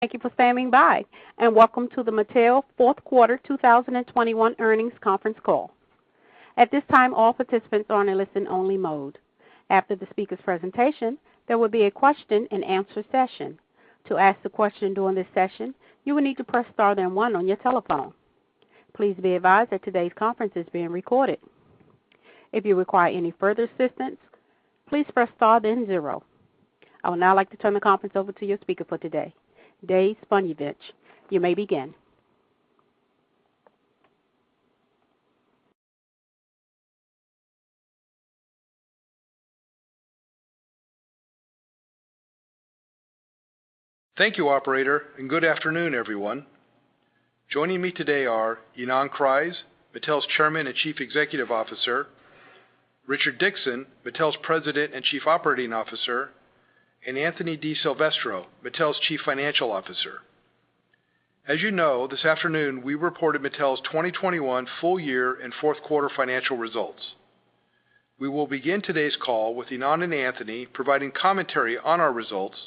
Thank you for standing by, and welcome to the Mattel Fourth Quarter 2021 Earnings Conference Call. At this time, all participants are in a listen-only mode. After the speaker's presentation, there will be a question-and-answer session. To ask the question during this session, you will need to press star then one on your telephone. Please be advised that today's conference is being recorded. If you require any further assistance, please press star then zero. I would now like to turn the conference over to your speaker for today, David Zbojniewicz. You may begin. Thank you, operator, and good afternoon, everyone. Joining me today are Ynon Kreiz, Mattel's Chairman and Chief Executive Officer, Richard Dickson, Mattel's President and Chief Operating Officer, and Anthony DiSilvestro, Mattel's Chief Financial Officer. As you know, this afternoon we reported Mattel's 2021 full year and fourth quarter financial results. We will begin today's call with Ynon and Anthony providing commentary on our results.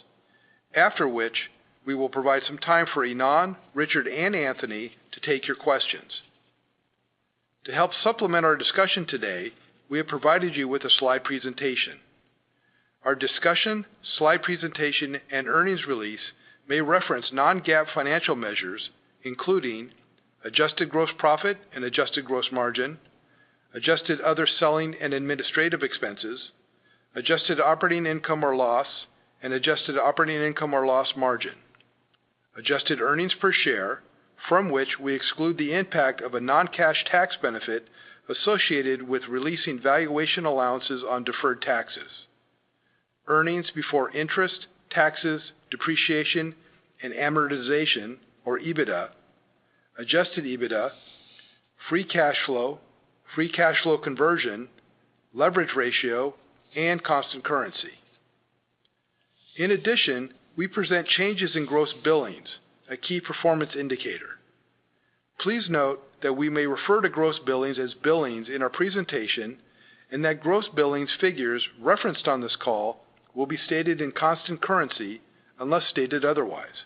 After which, we will provide some time for Ynon, Richard, and Anthony to take your questions. To help supplement our discussion today, we have provided you with a slide presentation. Our discussion, slide presentation, and earnings release may reference non-GAAP financial measures, including adjusted gross profit and adjusted gross margin, adjusted other selling and administrative expenses, adjusted operating income or loss and adjusted operating income or loss margin, adjusted earnings per share from which we exclude the impact of a non-cash tax benefit associated with releasing valuation allowances on deferred taxes, earnings before interest, taxes, depreciation and amortization or EBITDA, adjusted EBITDA, free cash flow, free cash flow conversion, leverage ratio, and constant currency. In addition, we present changes in gross billings, a key performance indicator. Please note that we may refer to gross billings as billings in our presentation, and that gross billings figures referenced on this call will be stated in constant currency unless stated otherwise.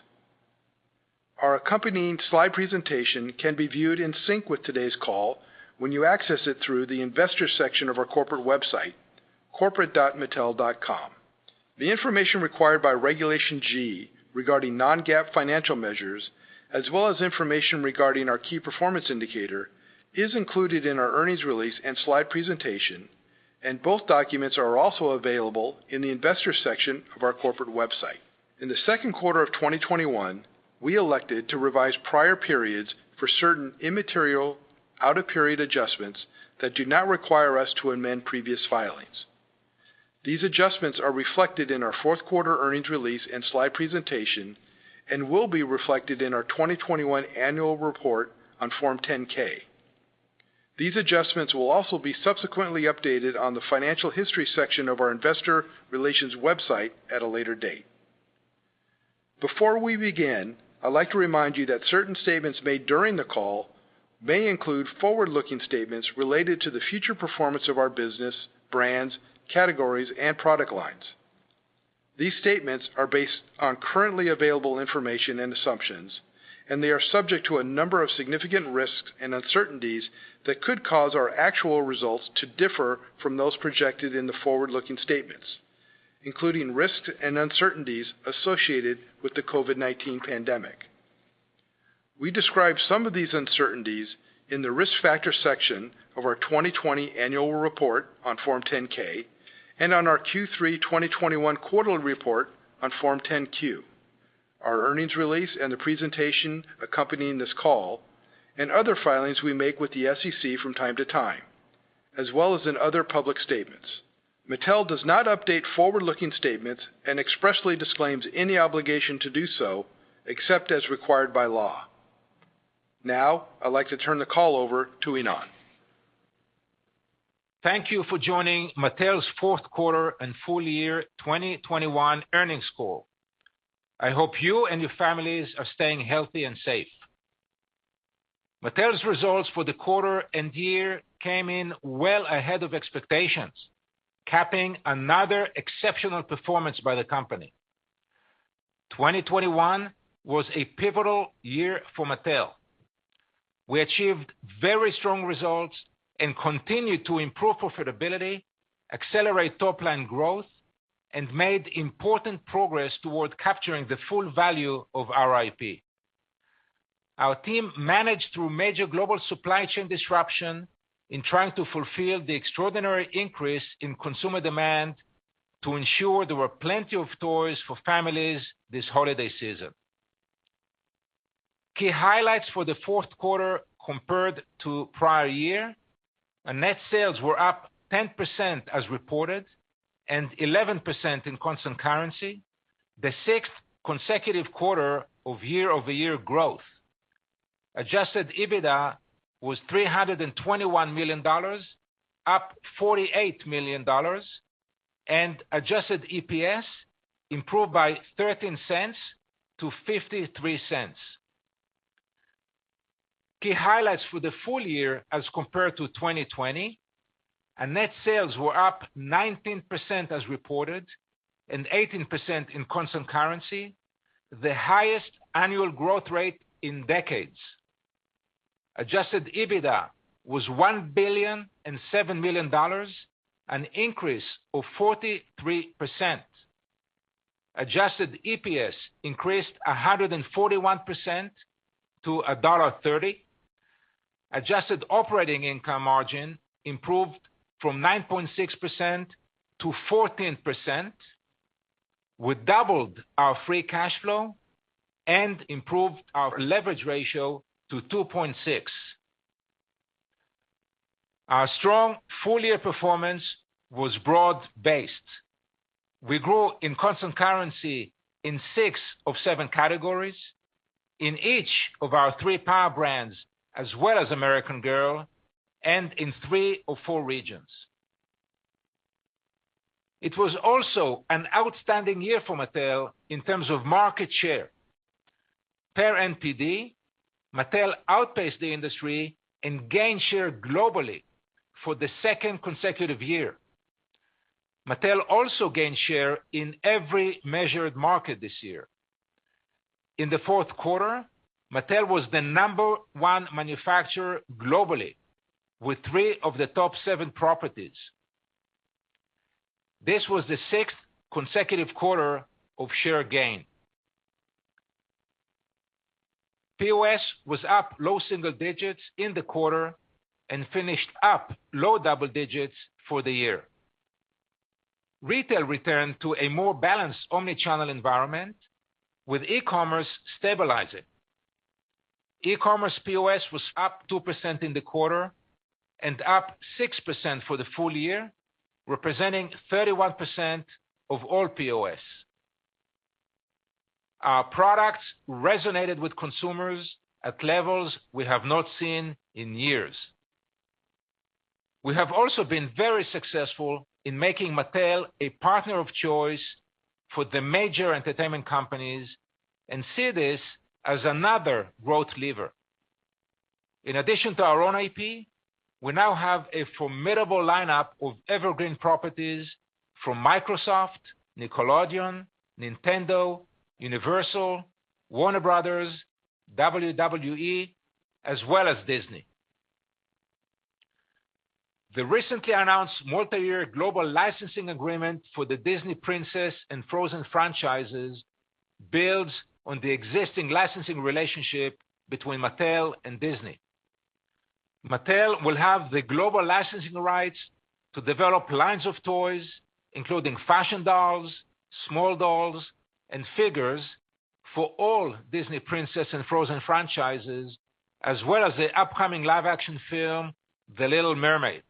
Our accompanying slide presentation can be viewed in sync with today's call when you access it through the investor section of our corporate website, corporate.mattel.com. The information required by Regulation G regarding non-GAAP financial measures, as well as information regarding our key performance indicator, is included in our earnings release and slide presentation, and both documents are also available in the investor section of our corporate website. In the second quarter of 2021, we elected to revise prior periods for certain immaterial out of period adjustments that do not require us to amend previous filings. These adjustments are reflected in our fourth quarter earnings release and slide presentation and will be reflected in our 2021 annual report on Form 10-K. These adjustments will also be subsequently updated on the financial history section of our investor relations website at a later date. Before we begin, I'd like to remind you that certain statements made during the call may include forward-looking statements related to the future performance of our business, brands, categories, and product lines. These statements are based on currently available information and assumptions, and they are subject to a number of significant risks and uncertainties that could cause our actual results to differ from those projected in the forward-looking statements, including risks and uncertainties associated with the COVID-19 pandemic. We describe some of these uncertainties in the Risk Factors section of our 2020 Annual Report on Form 10-K and on our Q3 2021 Quarterly Report on Form 10-Q, our earnings release and the presentation accompanying this call, and other filings we make with the SEC from time to time, as well as in other public statements. Mattel does not update forward-looking statements and expressly disclaims any obligation to do so except as required by law. Now, I'd like to turn the call over to Ynon. Thank you for joining Mattel's fourth quarter and full year 2021 earnings call. I hope you and your families are staying healthy and safe. Mattel's results for the quarter and year came in well ahead of expectations, capping another exceptional performance by the company. 2021 was a pivotal year for Mattel. We achieved very strong results and continued to improve profitability, accelerate top line growth, and made important progress toward capturing the full value of our IP. Our team managed through major global supply chain disruption in trying to fulfill the extraordinary increase in consumer demand to ensure there were plenty of toys for families this holiday season. Key highlights for the fourth quarter compared to prior year, our net sales were up 10% as reported, and 11% in constant currency, the sixth consecutive quarter of year-over-year growth. Adjusted EBITDA was $321 million, up $48 million, and adjusted EPS improved by $0.13 to $0.53. Key highlights for the full year as compared to 2020. Our net sales were up 19% as reported and 18% in constant currency, the highest annual growth rate in decades. Adjusted EBITDA was $1.007 billion, an increase of 43%. Adjusted EPS increased 141% to $1.30. Adjusted operating income margin improved from 9.6% to 14%. We doubled our free cash flow and improved our leverage ratio to 2.6. Our strong full year performance was broad-based. We grew in constant currency in six of seven categories, in each of our three power brands, as well as American Girl, and in three of four regions. It was also an outstanding year for Mattel in terms of market share. Per NPD, Mattel outpaced the industry and gained share globally for the second consecutive year. Mattel also gained share in every measured market this year. In the fourth quarter, Mattel was the number one manufacturer globally with three of the top seven properties. This was the sixth consecutive quarter of share gain. POS was up low-single-digits in the quarter and finished up low-double digits for the year. Retail returned to a more balanced omni-channel environment with e-commerce stabilizing. E-commerce POS was up 2% in the quarter and up 6% for the full year, representing 31% of all POS. Our products resonated with consumers at levels we have not seen in years. We have also been very successful in making Mattel a partner of choice for the major entertainment companies and see this as another growth lever. In addition to our own IP, we now have a formidable lineup of evergreen properties from Microsoft, Nickelodeon, Nintendo, Universal, Warner Bros., WWE, as well as Disney. The recently announced multi-year global licensing agreement for the Disney Princess and Frozen franchises builds on the existing licensing relationship between Mattel and Disney. Mattel will have the global licensing rights to develop lines of toys, including fashion dolls, small dolls, and figures for all Disney Princess and Frozen franchises, as well as the upcoming live-action film, The Little Mermaid.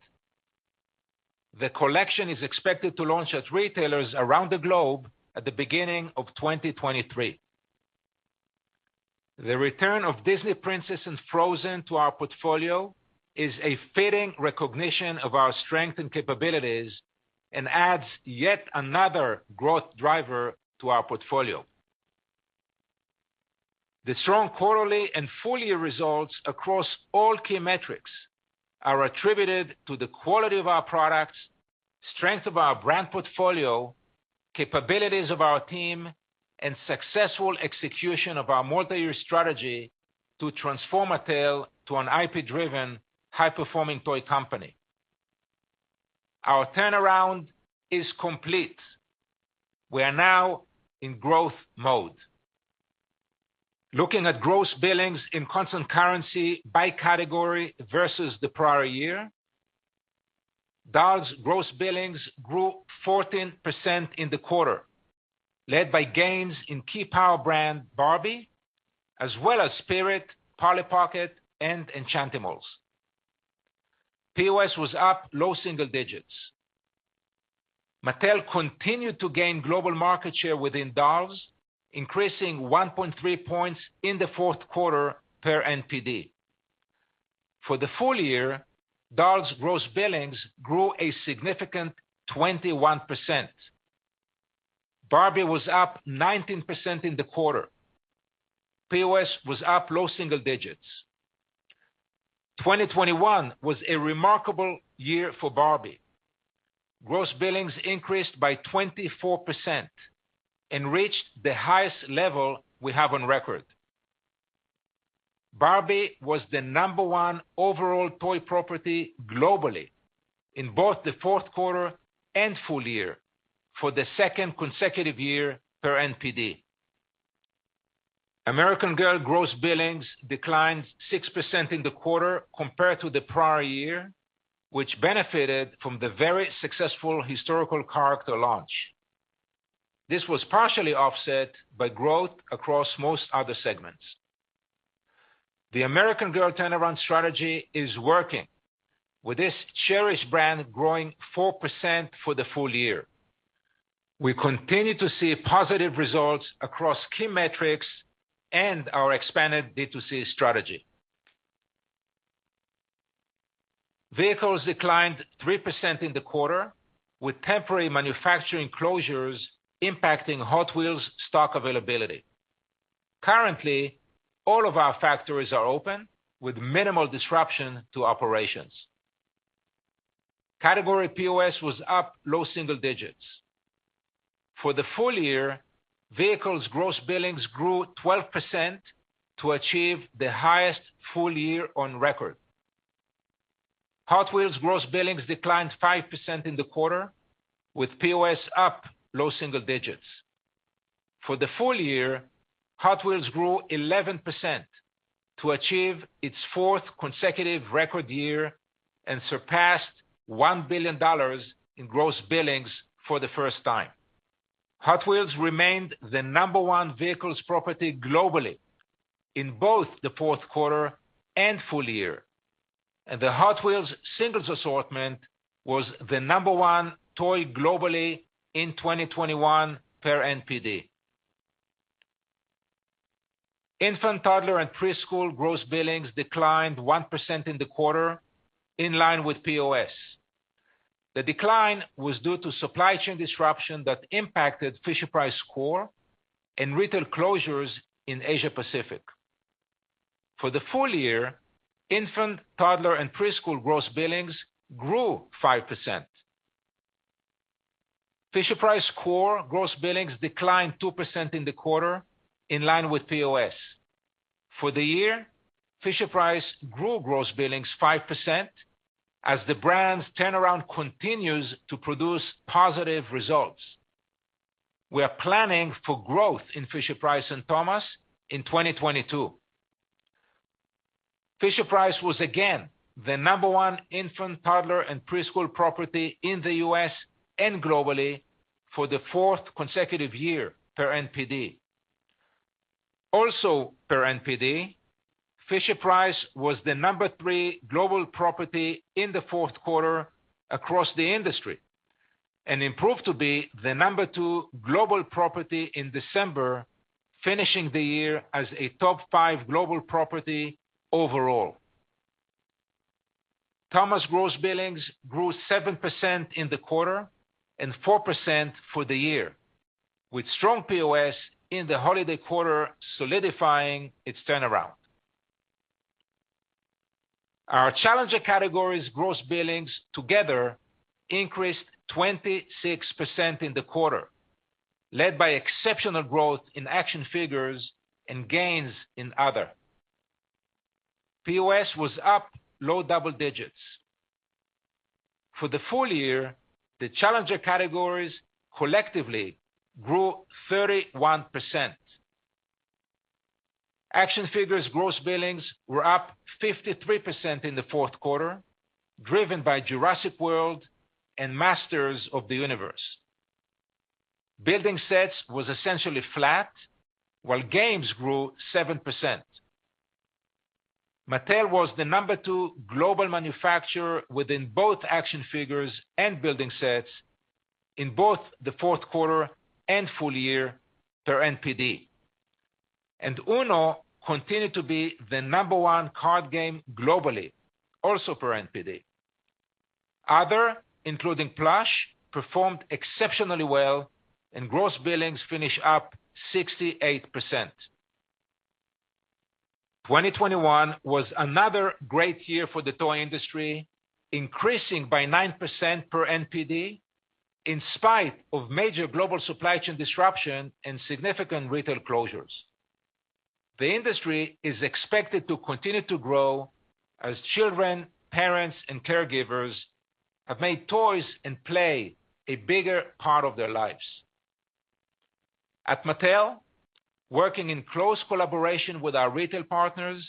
The collection is expected to launch at retailers around the globe at the beginning of 2023. The return of Disney Princess and Frozen to our portfolio is a fitting recognition of our strength and capabilities and adds yet another growth driver to our portfolio. The strong quarterly and full year results across all key metrics are attributed to the quality of our products, strength of our brand portfolio, capabilities of our team, and successful execution of our multi-year strategy to transform Mattel to an IP driven, high performing toy company. Our turnaround is complete. We are now in growth mode. Looking at gross billings in constant currency by category versus the prior year, dolls gross billings grew 14% in the quarter, led by gains in key power brand Barbie, as well as Spirit, Polly Pocket, and Enchantimals. POS was up low-single-digits. Mattel continued to gain global market share within dolls, increasing 1.3 points in the fourth quarter per NPD. For the full year, dolls gross billings grew a significant 21%. Barbie was up 19% in the quarter. POS was up low-single-digits. 2021 was a remarkable year for Barbie. Gross billings increased by 24% and reached the highest level we have on record. Barbie was the number one overall toy property globally in both the fourth quarter and full year for the second consecutive year per NPD. American Girl gross billings declined 6% in the quarter compared to the prior year, which benefited from the very successful historical character launch. This was partially offset by growth across most other segments. The American Girl turnaround strategy is working, with this cherished brand growing 4% for the full year. We continue to see positive results across key metrics and our expanded D2C strategy. Vehicles declined 3% in the quarter with temporary manufacturing closures impacting Hot Wheels stock availability. Currently, all of our factories are open with minimal disruption to operations. Category POS was up low-single-digits. For the full year, vehicles gross billings grew 12% to achieve the highest full year on record. Hot Wheels gross billings declined 5% in the quarter with POS up low-single-digits. For the full year, Hot Wheels grew 11% to achieve its fourth consecutive record year and surpassed $1 billion in gross billings for the first time. Hot Wheels remained the number one vehicles property globally in both the fourth quarter and full year. The Hot Wheels singles assortment was the number one toy globally in 2021 per NPD. Infant, toddler and preschool gross billings declined 1% in the quarter in line with POS. The decline was due to supply chain disruption that impacted Fisher-Price core and retail closures in Asia-Pacific. For the full year, infant, toddler and preschool gross billings grew 5%. Fisher-Price core gross billings declined 2% in the quarter in line with POS. For the year, Fisher-Price grew gross billings 5% as the brand's turnaround continues to produce positive results. We are planning for growth in Fisher-Price and Thomas in 2022. Fisher-Price was again the number one infant, toddler and preschool property in the U.S. and globally for the fourth consecutive year per NPD. Per NPD, Fisher-Price was the number three global property in the fourth quarter across the industry and improved to be the number two global property in December, finishing the year as a top five global property overall. Thomas gross billings grew 7% in the quarter and 4% for the year, with strong POS in the holiday quarter solidifying its turnaround. Our challenger categories gross billings together increased 26% in the quarter, led by exceptional growth in action figures and gains in other. POS was up low double digits. For the full year, the challenger categories collectively grew 31%. Action figures gross billings were up 53% in the fourth quarter, driven by Jurassic World and Masters of the Universe. Building sets was essentially flat while games grew 7%. Mattel was the number two global manufacturer within both action figures and building sets in both the fourth quarter and full year per NPD. UNO continued to be the number one card game globally, also per NPD. Other, including Plush, performed exceptionally well and gross billings finish up 68%. 2021 was another great year for the toy industry, increasing by 9% per NPD in spite of major global supply chain disruption and significant retail closures. The industry is expected to continue to grow as children, parents and caregivers have made toys and play a bigger part of their lives. At Mattel, working in close collaboration with our retail partners,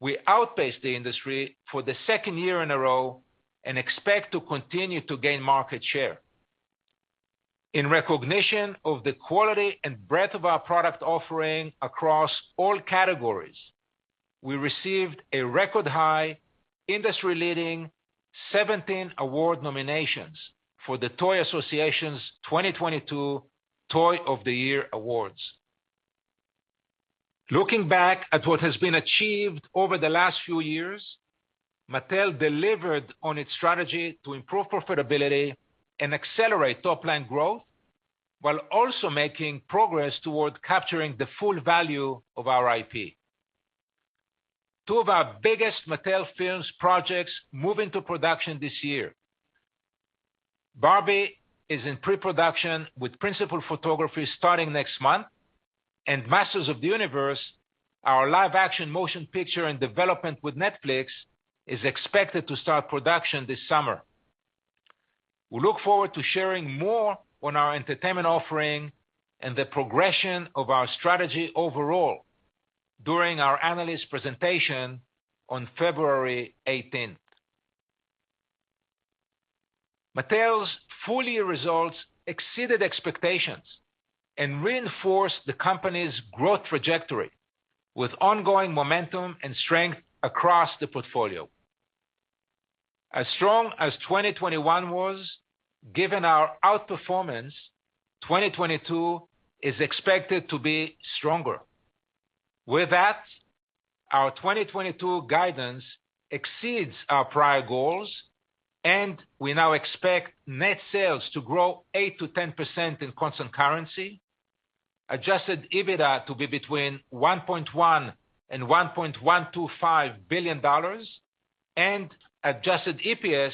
we outpaced the industry for the second year in a row and expect to continue to gain market share. In recognition of the quality and breadth of our product offering across all categories, we received a record high industry-leading 17 award nominations for The Toy Association's 2022 Toy of the Year Awards. Looking back at what has been achieved over the last few years, Mattel delivered on its strategy to improve profitability and accelerate top line growth while also making progress toward capturing the full value of our IP. Two of our biggest Mattel films projects move into production this year. Barbie is in pre-production, with principal photography starting next month, and Masters of the Universe, our live action motion picture in development with Netflix, is expected to start production this summer. We look forward to sharing more on our entertainment offering and the progression of our strategy overall during our analyst presentation on February eighteenth. Mattel's full year results exceeded expectations and reinforced the company's growth trajectory with ongoing momentum and strength across the portfolio. As strong as 2021 was, given our outperformance, 2022 is expected to be stronger. With that, our 2022 guidance exceeds our prior goals, and we now expect net sales to grow 8%-10% in constant currency, adjusted EBITDA to be between $1.1 billion and $1.125 billion, and adjusted EPS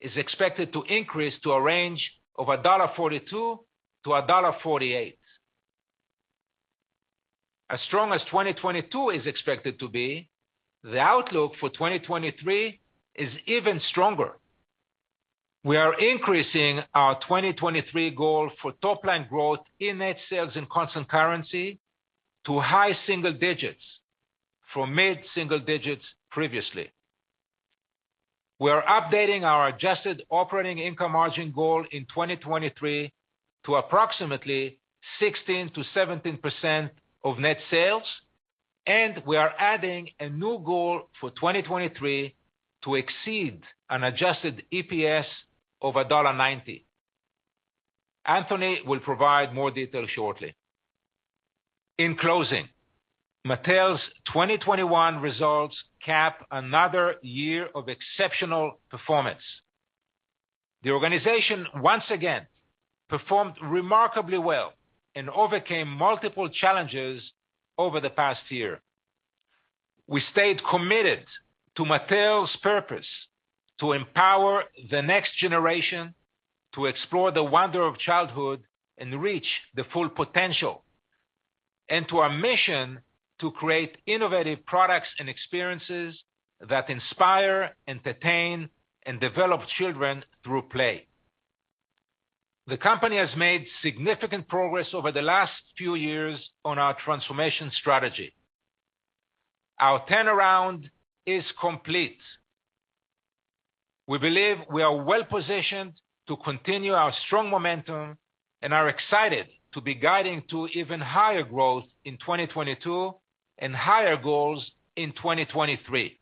is expected to increase to a range of $1.42-$1.48. As strong as 2022 is expected to be, the outlook for 2023 is even stronger. We are increasing our 2023 goal for top line growth in net sales in constant currency to high-single-digits from mid-single-digits previously. We are updating our adjusted operating income margin goal in 2023 to approximately 16%-17% of net sales, and we are adding a new goal for 2023 to exceed an adjusted EPS of $1.90. Anthony will provide more details shortly. In closing, Mattel's 2021 results cap another year of exceptional performance. The organization once again performed remarkably well and overcame multiple challenges over the past year. We stayed committed to Mattel's purpose to empower the next generation to explore the wonder of childhood and reach the full potential, and to our mission to create innovative products and experiences that inspire, entertain, and develop children through play. The company has made significant progress over the last few years on our transformation strategy. Our turnaround is complete. We believe we are well-positioned to continue our strong momentum and are excited to be guiding to even higher growth in 2022 and higher goals in 2023.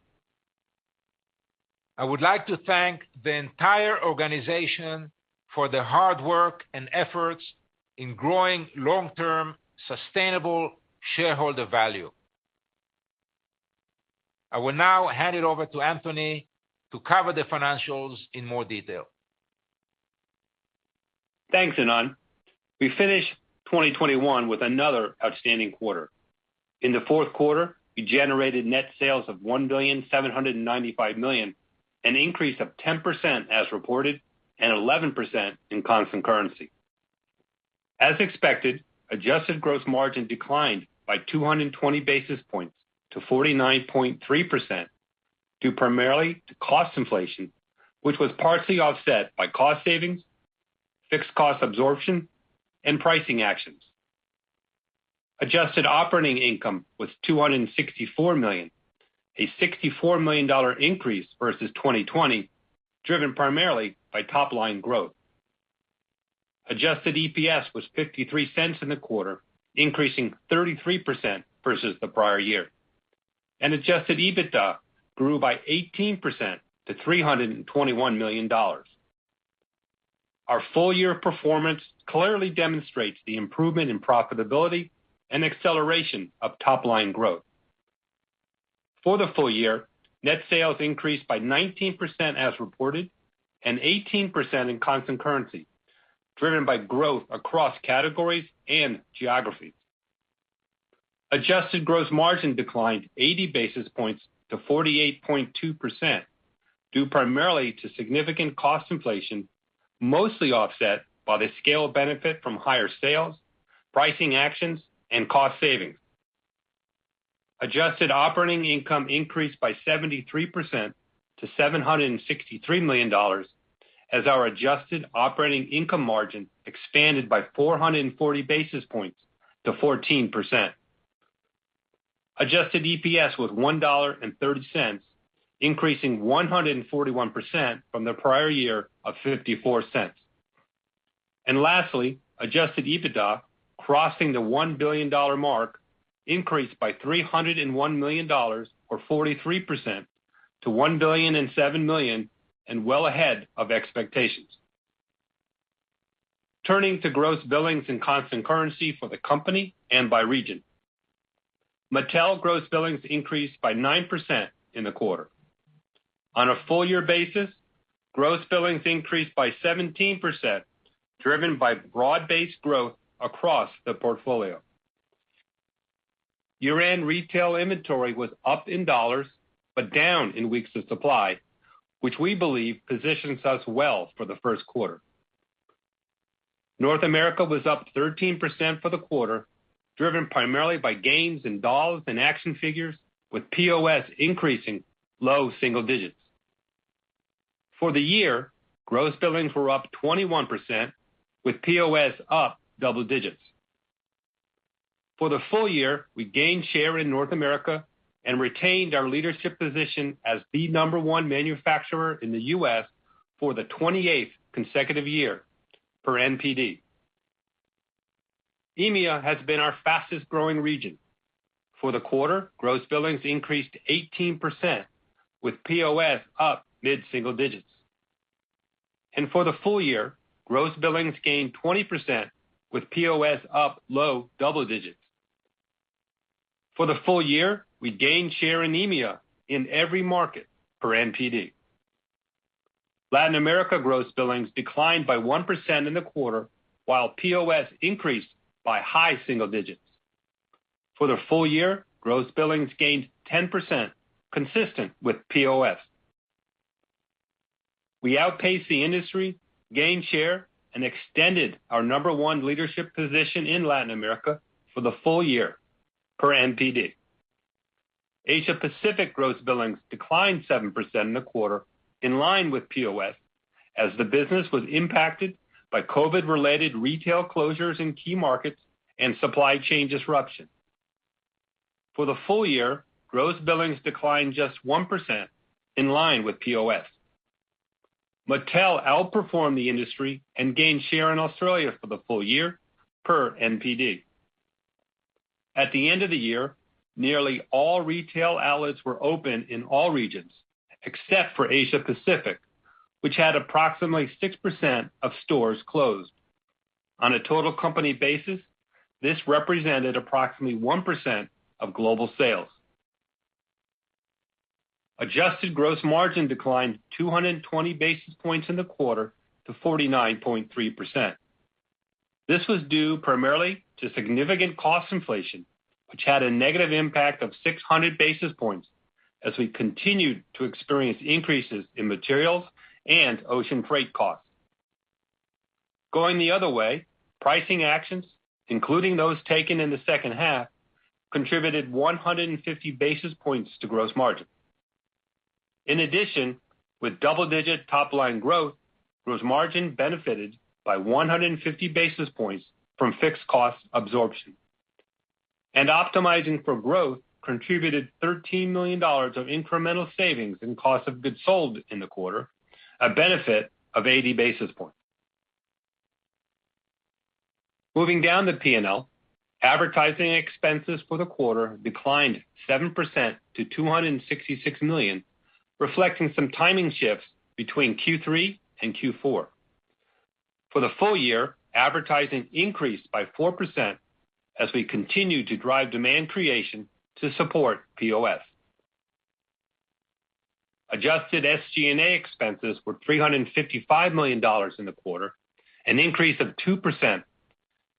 I would like to thank the entire organization for their hard work and efforts in growing long-term sustainable shareholder value. I will now hand it over to Anthony to cover the financials in more detail. Thanks, Ynon. We finished 2021 with another outstanding quarter. In the fourth quarter, we generated net sales of $1,795 million, an increase of 10% as reported, and 11% in constant currency. As expected, adjusted gross margin declined by 220 basis points to 49.3% due primarily to cost inflation, which was partially offset by cost savings, fixed cost absorption, and pricing actions. Adjusted operating income was $264 million, a $64 million increase versus 2020, driven primarily by top line growth. Adjusted EPS was $0.53 in the quarter, increasing 33% versus the prior year. Adjusted EBITDA grew by 18% to $321 million. Our full year performance clearly demonstrates the improvement in profitability and acceleration of top line growth. For the full year, net sales increased by 19% as reported and 18% in constant currency, driven by growth across categories and geographies. Adjusted gross margin declined 80 basis points to 48.2%, due primarily to significant cost inflation, mostly offset by the scale benefit from higher sales, pricing actions, and cost savings. Adjusted operating income increased by 73% to $763 million as our adjusted operating income margin expanded by 440 basis points to 14%. Adjusted EPS was $1.30, increasing 141% from the prior year of $0.54. Lastly, adjusted EBITDA, crossing the one billion mark, increased by $301 million, or 43% to $1.007 billion, and well ahead of expectations. Turning to gross billings in constant currency for the company and by region. Mattel gross billings increased by 9% in the quarter. On a full year basis, gross billings increased by 17%, driven by broad-based growth across the portfolio. Year-end retail inventory was up in dollars but down in weeks of supply, which we believe positions us well for the first quarter. North America was up 13% for the quarter, driven primarily by gains in dolls and action figures, with POS increasing low-single-digits. For the year, gross billings were up 21%, with POS up double digits. For the full year, we gained share in North America and retained our leadership position as the number one manufacturer in the U.S. for the 28th consecutive year per NPD. EMEA has been our fastest-growing region. For the quarter, gross billings increased 18%, with POS up mid-single-digits. For the full year, gross billings gained 20% with POS up low double digits. For the full year, we gained share in EMEA in every market per NPD. Latin America gross billings declined by 1% in the quarter, while POS increased by high-single-digits. For the full year, gross billings gained 10% consistent with POS. We outpaced the industry, gained share, and extended our number one leadership position in Latin America for the full year per NPD. Asia Pacific gross billings declined 7% in the quarter in line with POS as the business was impacted by COVID-related retail closures in key markets and supply chain disruption. For the full year, gross billings declined just 1% in line with POS. Mattel outperformed the industry and gained share in Australia for the full year per NPD. At the end of the year, nearly all retail outlets were open in all regions except for Asia Pacific, which had approximately 6% of stores closed. On a total company basis, this represented approximately 1% of global sales. Adjusted gross margin declined 220 basis points in the quarter to 49.3%. This was due primarily to significant cost inflation, which had a negative impact of 600 basis points as we continued to experience increases in materials and ocean freight costs. Going the other way, pricing actions, including those taken in the second half, contributed 150 basis points to gross margin. In addition, with double-digit top-line growth, gross margin benefited by 150 basis points from fixed cost absorption. Optimizing for Growth contributed $13 million of incremental savings in cost of goods sold in the quarter, a benefit of 80 basis points. Moving down the P&L, advertising expenses for the quarter declined 7% to $266 million, reflecting some timing shifts between Q3 and Q4. For the full year, advertising increased by 4% as we continued to drive demand creation to support POS. Adjusted SG&A expenses were $355 million in the quarter, an increase of 2%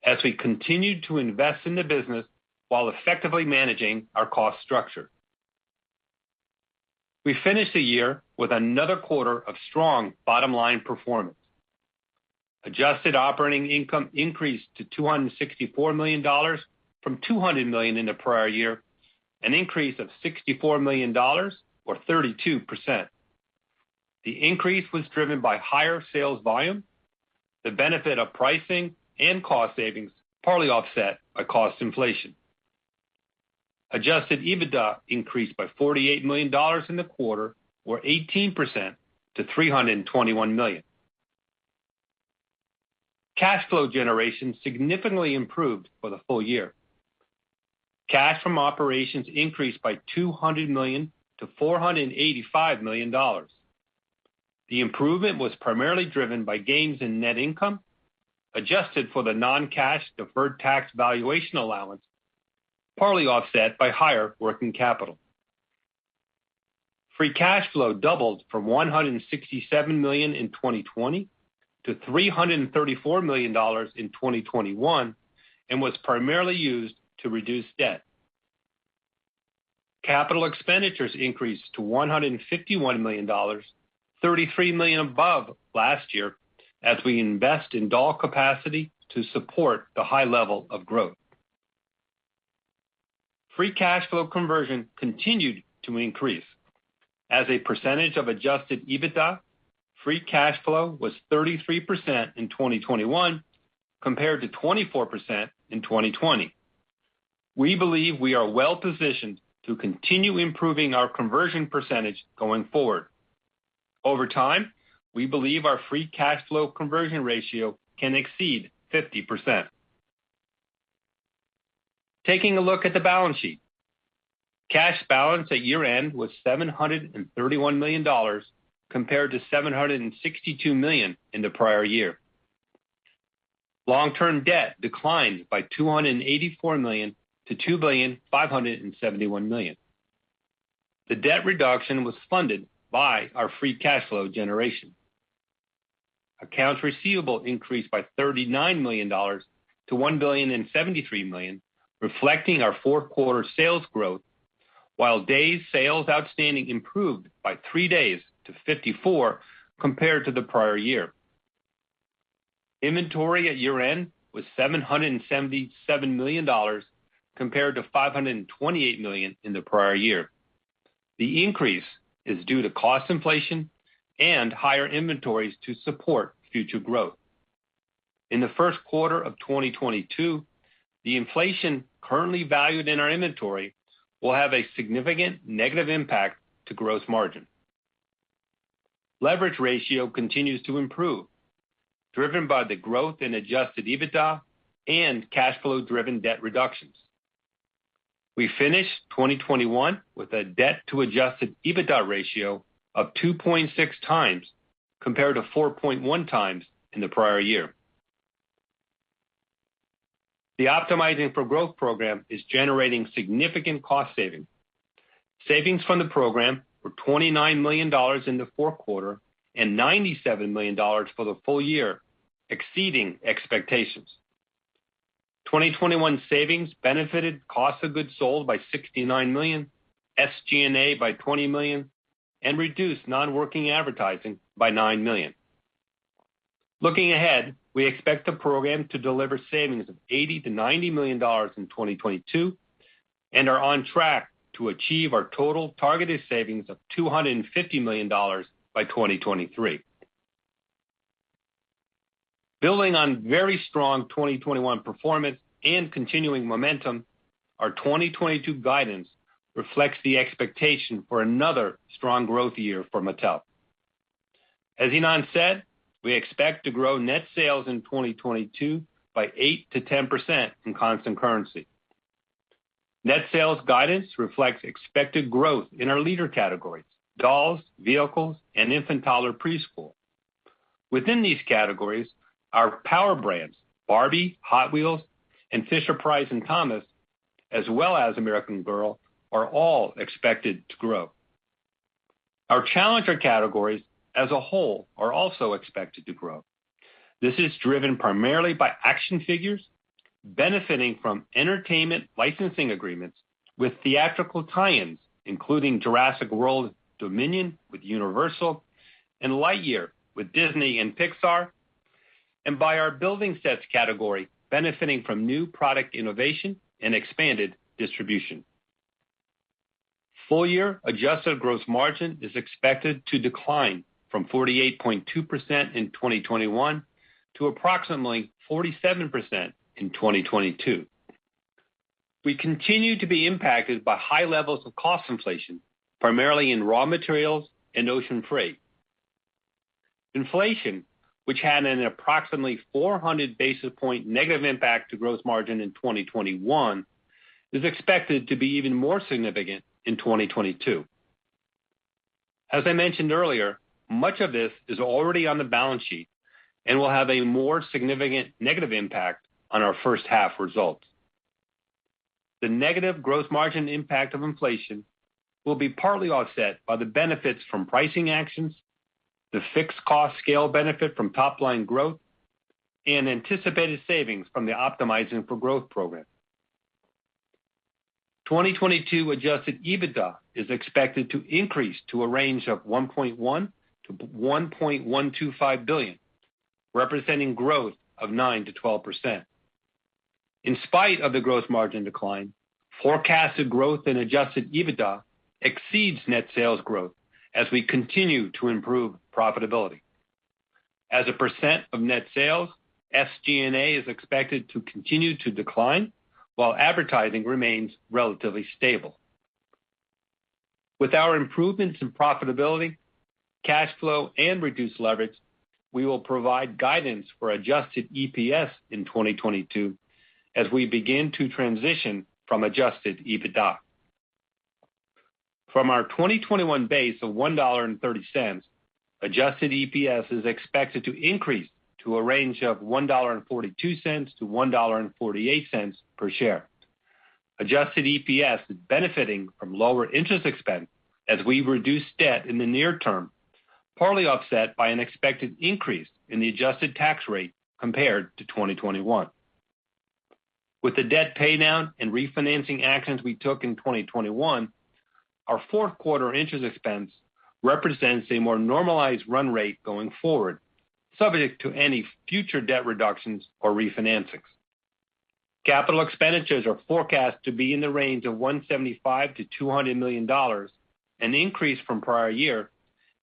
as we continued to invest in the business while effectively managing our cost structure. We finished the year with another quarter of strong bottom-line performance. Adjusted operating income increased to $264 million from $200 million in the prior year, an increase of $64 million or 32%. The increase was driven by higher sales volume. The benefit of pricing and cost savings partly offset by cost inflation. Adjusted EBITDA increased by $48 million in the quarter or 18% to $321 million. Cash flow generation significantly improved for the full year. Cash from operations increased by $200 million to $485 million. The improvement was primarily driven by gains in net income, adjusted for the non-cash deferred tax valuation allowance, partly offset by higher working capital. Free cash flow doubled from $167 million in 2020 to $334 million in 2021 and was primarily used to reduce debt. Capital expenditures increased to $151 million, $33 million above last year as we invest in doll capacity to support the high level of growth. Free cash flow conversion continued to increase. As a percentage of adjusted EBITDA, free cash flow was 33% in 2021 compared to 24% in 2020. We believe we are well positioned to continue improving our conversion percentage going forward. Over time, we believe our free cash flow conversion ratio can exceed 50%. Taking a look at the balance sheet. Cash balance at year-end was $731 million compared to $762 million in the prior year. Long-term debt declined by $284 million to $2.571 billion. The debt reduction was funded by our free cash flow generation. Accounts receivable increased by $39 million to $1.073 billion, reflecting our fourth quarter sales growth, while days sales outstanding improved by three days to 54 compared to the prior year. Inventory at year-end was $777 million, compared to $528 million in the prior year. The increase is due to cost inflation and higher inventories to support future growth. In the first quarter of 2022, the inflation currently valued in our inventory will have a significant negative impact to gross margin. Leverage ratio continues to improve, driven by the growth in adjusted EBITDA and cash flow driven debt reductions. We finished 2021 with a debt to adjusted EBITDA ratio of 2.6x, compared to 4.1x in the prior year. The Optimizing for Growth program is generating significant cost savings. Savings from the program were $29 million in the fourth quarter and $97 million for the full year, exceeding expectations. 2021 savings benefited cost of goods sold by $69 million, SG&A by $20 million, and reduced non-working advertising by $9 million. Looking ahead, we expect the program to deliver savings of $80-$90 million in 2022 and are on track to achieve our total targeted savings of $250 million by 2023. Building on very strong 2021 performance and continuing momentum, our 2022 guidance reflects the expectation for another strong growth year for Mattel. As Ynon said, we expect to grow net sales in 2022 by 8%-10% in constant currency. Net sales guidance reflects expected growth in our leader categories, dolls, vehicles and infant toddler preschool. Within these categories, our power brands, Barbie, Hot Wheels, and Fisher-Price and Thomas, as well as American Girl, are all expected to grow. Our challenger categories as a whole are also expected to grow. This is driven primarily by action figures benefiting from entertainment licensing agreements with theatrical tie-ins, including Jurassic World Dominion with Universal and Lightyear with Disney and Pixar, and by our building sets category benefiting from new product innovation and expanded distribution. Full year adjusted gross margin is expected to decline from 48.2% in 2021 to approximately 47% in 2022. We continue to be impacted by high levels of cost inflation, primarily in raw materials and ocean freight. Inflation, which had an approximately 400 basis point negative impact to gross margin in 2021, is expected to be even more significant in 2022. As I mentioned earlier, much of this is already on the balance sheet and will have a more significant negative impact on our first half results. The negative growth margin impact of inflation will be partly offset by the benefits from pricing actions, the fixed cost scale benefit from top-line growth, and anticipated savings from the Optimizing for Growth program. 2022 adjusted EBITDA is expected to increase to a range of $1.1 billion-$1.125 billion, representing growth of 9%-12%. In spite of the growth margin decline, forecasted growth in adjusted EBITDA exceeds net sales growth as we continue to improve profitability. As a percent of net sales, SG&A is expected to continue to decline while advertising remains relatively stable. With our improvements in profitability, cash flow and reduced leverage, we will provide guidance for adjusted EPS in 2022 as we begin to transition from adjusted EBITDA. From our 2021 base of $1.30, adjusted EPS is expected to increase to a range of $1.42 to $1.48 per share. Adjusted EPS is benefiting from lower interest expense as we reduce debt in the near-term, partly offset by an expected increase in the adjusted tax rate compared to 2021. With the debt pay down and refinancing actions we took in 2021, our fourth quarter interest expense represents a more normalized run rate going forward, subject to any future debt reductions or refinancings. Capital expenditures are forecast to be in the range of $175 million to $200 million, an increase from prior year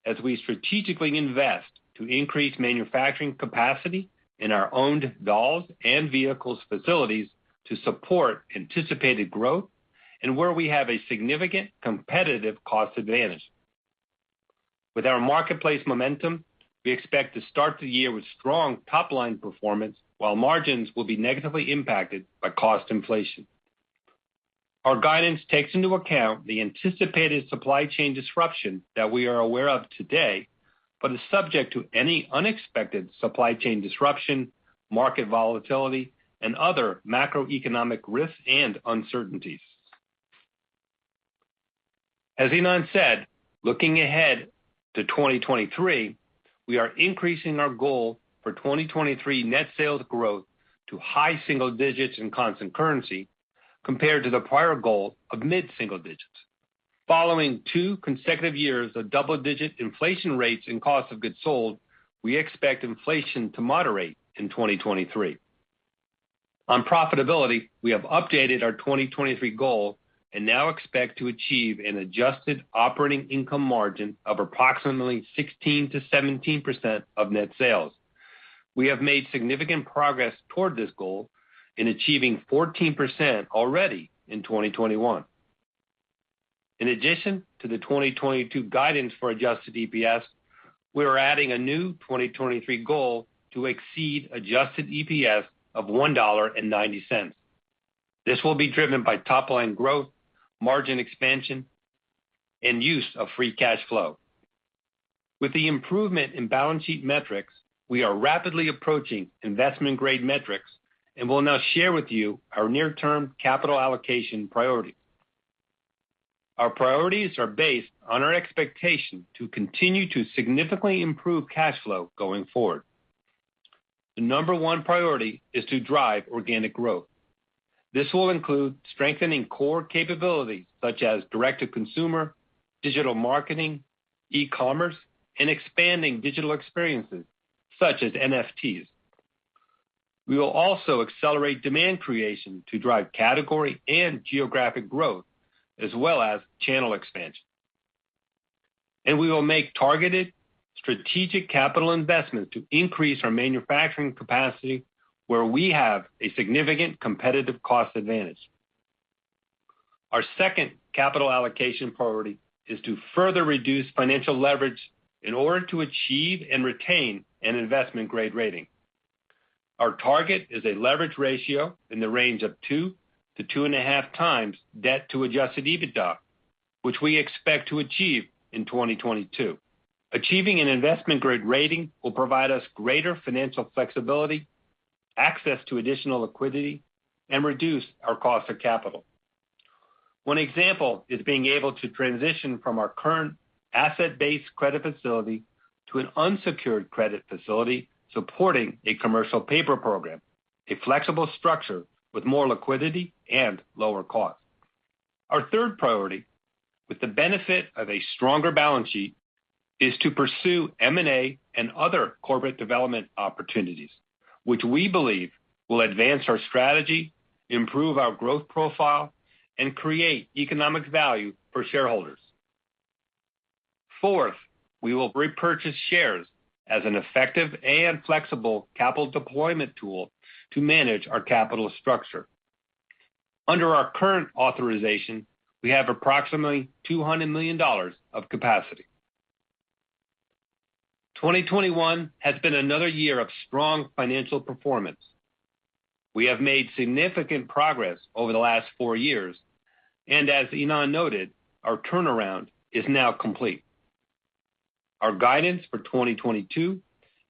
as we strategically invest to increase manufacturing capacity in our owned dolls and vehicles facilities to support anticipated growth and where we have a significant competitive cost advantage. With our marketplace momentum, we expect to start the year with strong top-line performance, while margins will be negatively impacted by cost inflation. Our guidance takes into account the anticipated supply chain disruption that we are aware of today, but is subject to any unexpected supply chain disruption, market volatility and other macroeconomic risks and uncertainties. As Ynon said, looking ahead to 2023, we are increasing our goal for 2023 net sales growth to high-single-digits in constant currency compared to the prior goal of mid-single-digits. Following two consecutive years of double-digit inflation rates and cost of goods sold, we expect inflation to moderate in 2023. On profitability, we have updated our 2023 goal and now expect to achieve an adjusted operating income margin of approximately 16%-17% of net sales. We have made significant progress toward this goal in achieving 14% already in 2021. In addition to the 2022 guidance for adjusted EPS, we are adding a new 2023 goal to exceed adjusted EPS of $1.90. This will be driven by top line growth, margin expansion, and use of free cash flow. With the improvement in balance sheet metrics, we are rapidly approaching investment-grade metrics, and we'll now share with you our near-term capital allocation priorities. Our priorities are based on our expectation to continue to significantly improve cash flow going forward. The number one priority is to drive organic growth. This will include strengthening core capabilities such as direct-to-consumer, digital marketing, e-commerce, and expanding digital experiences such as NFTs. We will also accelerate demand creation to drive category and geographic growth, as well as channel expansion. We will make targeted strategic capital investment to increase our manufacturing capacity where we have a significant competitive cost advantage. Our second capital allocation priority is to further reduce financial leverage in order to achieve and retain an investment-grade rating. Our target is a leverage ratio in the range of 2x-2.5x debt to adjusted EBITDA, which we expect to achieve in 2022. Achieving an investment-grade rating will provide us greater financial flexibility, access to additional liquidity, and reduce our cost of capital. One example is being able to transition from our current asset-based credit facility to an unsecured credit facility supporting a commercial paper program, a flexible structure with more liquidity and lower cost. Our third priority, with the benefit of a stronger balance sheet, is to pursue M&A and other corporate development opportunities, which we believe will advance our strategy, improve our growth profile, and create economic value for shareholders. Fourth, we will repurchase shares as an effective and flexible capital deployment tool to manage our capital structure. Under our current authorization, we have approximately $200 million of capacity. 2021 has been another year of strong financial performance. We have made significant progress over the last four years, and as Ynon noted, our turnaround is now complete. Our guidance for 2022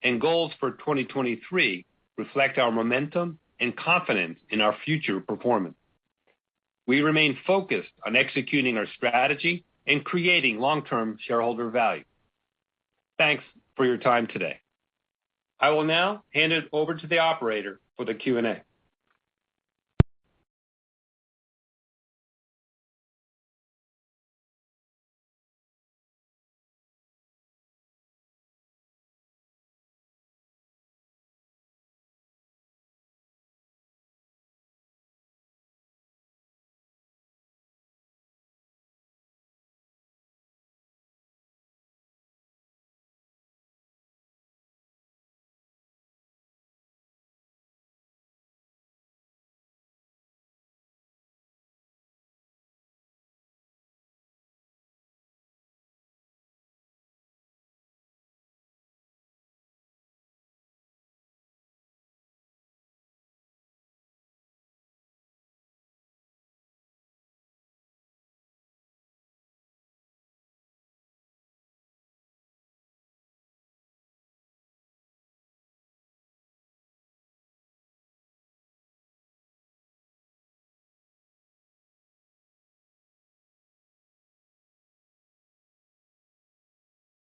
and goals for 2023 reflect our momentum and confidence in our future performance. We remain focused on executing our strategy and creating long-term shareholder value. Thanks for your time today. I will now hand it over to the operator for the Q&A.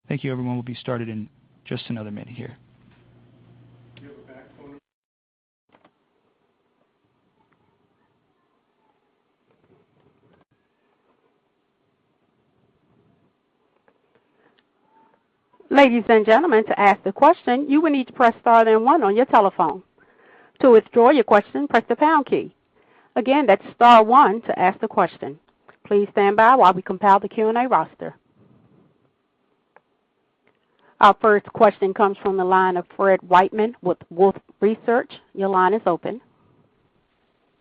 Thank you, everyone. We'll be started in just another minute here. Do you have a backup phone? Ladies and gentlemen, to ask the question, you will need to press star then one on your telephone. To withdraw your question, press the pound key. Again, that's star one to ask the question. Please stand by while we compile the Q&A roster. Our first question comes from the line of Fred Wightman with Wolfe Research. Your line is open.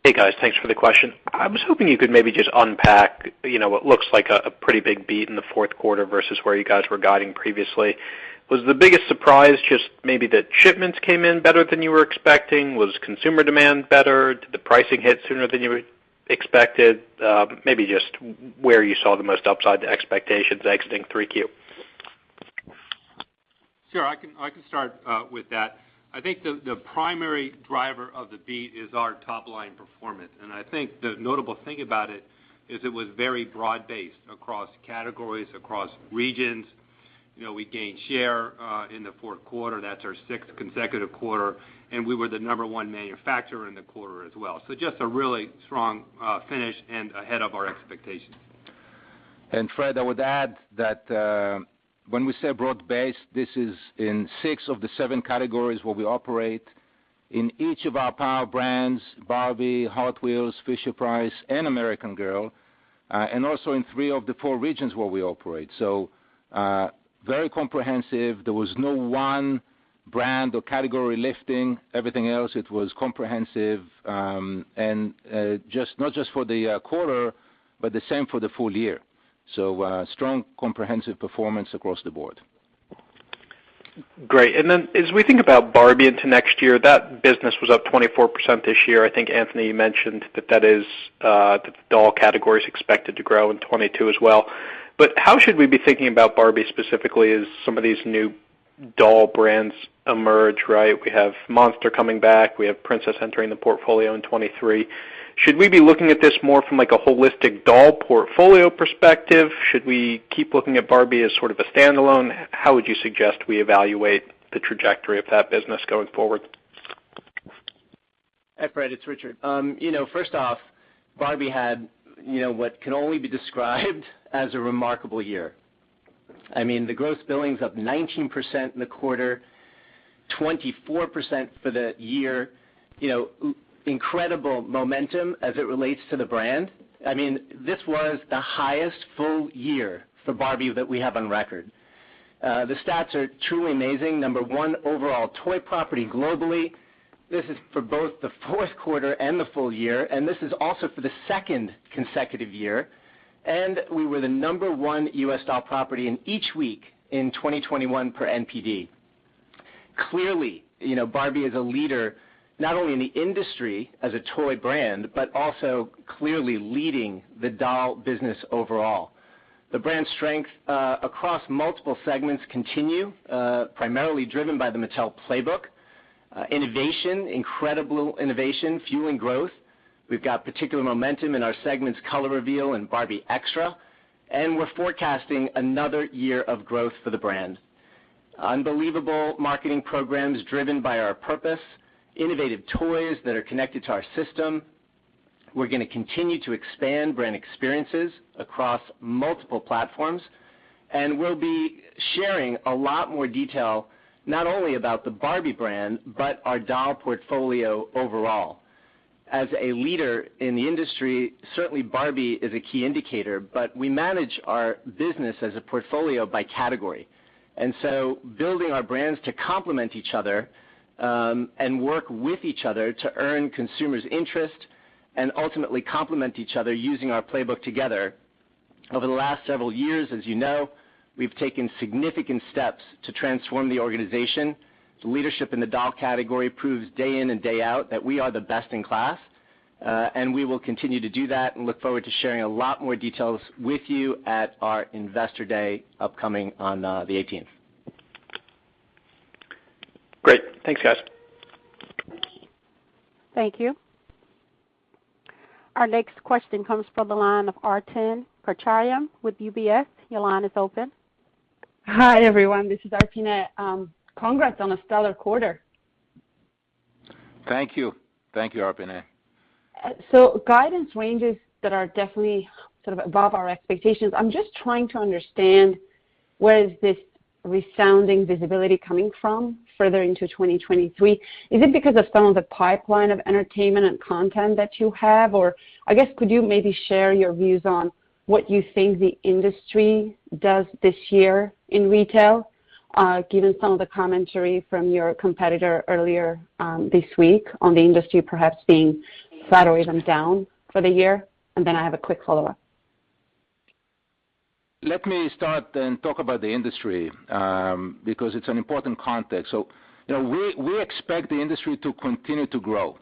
Hey, guys. Thanks for the question. I was hoping you could maybe just unpack, you know, what looks like a pretty big beat in the fourth quarter versus where you guys were guiding previously. Was the biggest surprise just maybe that shipments came in better than you were expecting? Was consumer demand better? Did the pricing hit sooner than you expected? Maybe just where you saw the most upside to expectations exiting 3Q. Sure. I can start with that. I think the primary driver of the beat is our top-line performance. I think the notable thing about it is it was very broad-based across categories, across regions. You know, we gained share in the fourth quarter. That's our sixth consecutive quarter, and we were the number one manufacturer in the quarter as well. Just a really strong finish and ahead of our expectations. Fred, I would add that when we say broad-based, this is in six of the seven categories where we operate in each of our power brands, Barbie, Hot Wheels, Fisher-Price, and American Girl, and also in three of the four regions where we operate. Very comprehensive. There was no one brand or category lifting everything else. It was comprehensive, and not just for the quarter, but the same for the full year. Strong comprehensive performance across the board. Great. Then as we think about Barbie into next year, that business was up 24% this year. I think, Anthony, you mentioned that that is the doll category is expected to grow in 2022 as well. How should we be thinking about Barbie specifically as some of these new doll brands emerge, right? We have Monster coming back, we have Princess entering the portfolio in 2023. Should we be looking at this more from, like, a holistic doll portfolio perspective? Should we keep looking at Barbie as sort of a standalone? How would you suggest we evaluate the trajectory of that business going forward? Hi, Fred, it's Richard. You know, first off, Barbie had, you know, what can only be described as a remarkable year. I mean, the gross billings up 19% in the quarter, 24% for the year, you know, incredible momentum as it relates to the brand. I mean, this was the highest full year for Barbie that we have on record. The stats are truly amazing. Number one, overall toy property globally. This is for both the fourth quarter and the full year, and this is also for the second consecutive year. We were the number one U.S. doll property in each week in 2021 per NPD. Clearly, you know, Barbie is a leader, not only in the industry as a toy brand, but also clearly leading the doll business overall. The brand strength across multiple segments continue primarily driven by the Mattel Playbook. Innovation, incredible innovation, fueling growth. We've got particular momentum in our segment's Color Reveal and Barbie Extra. We're forecasting another year of growth for the brand. Unbelievable marketing programs driven by our purpose, innovative toys that are connected to our system. We're gonna continue to expand brand experiences across multiple platforms, and we'll be sharing a lot more detail not only about the Barbie brand, but our doll portfolio overall. As a leader in the industry, certainly Barbie is a key indicator, but we manage our business as a portfolio by category. Building our brands to complement each other, and work with each other to earn consumers' interest and ultimately complement each other using our Playbook together. Over the last several years, as you know, we've taken significant steps to transform the organization. The leadership in the doll category proves day in and day out that we are the best in class, and we will continue to do that and look forward to sharing a lot more details with you at our Investor Day upcoming on the eighteenth. Great. Thanks, guys. Thank you. Our next question comes from the line of Arpine Kocharian with UBS. Your line is open. Hi, everyone. This is Arpine. Congrats on a stellar quarter. Thank you. Thank you, Arpine. Guidance ranges that are definitely sort of above our expectations. I'm just trying to understand where is this resounding visibility coming from further into 2023. Is it because of some of the pipeline of entertainment and content that you have? Or I guess, could you maybe share your views on what you think the industry does this year in retail, given some of the commentary from your competitor earlier, this week on the industry perhaps being flat or even down for the year? I have a quick follow-up. Let me start and talk about the industry, because it's an important context. You know, we expect the industry to continue to grow.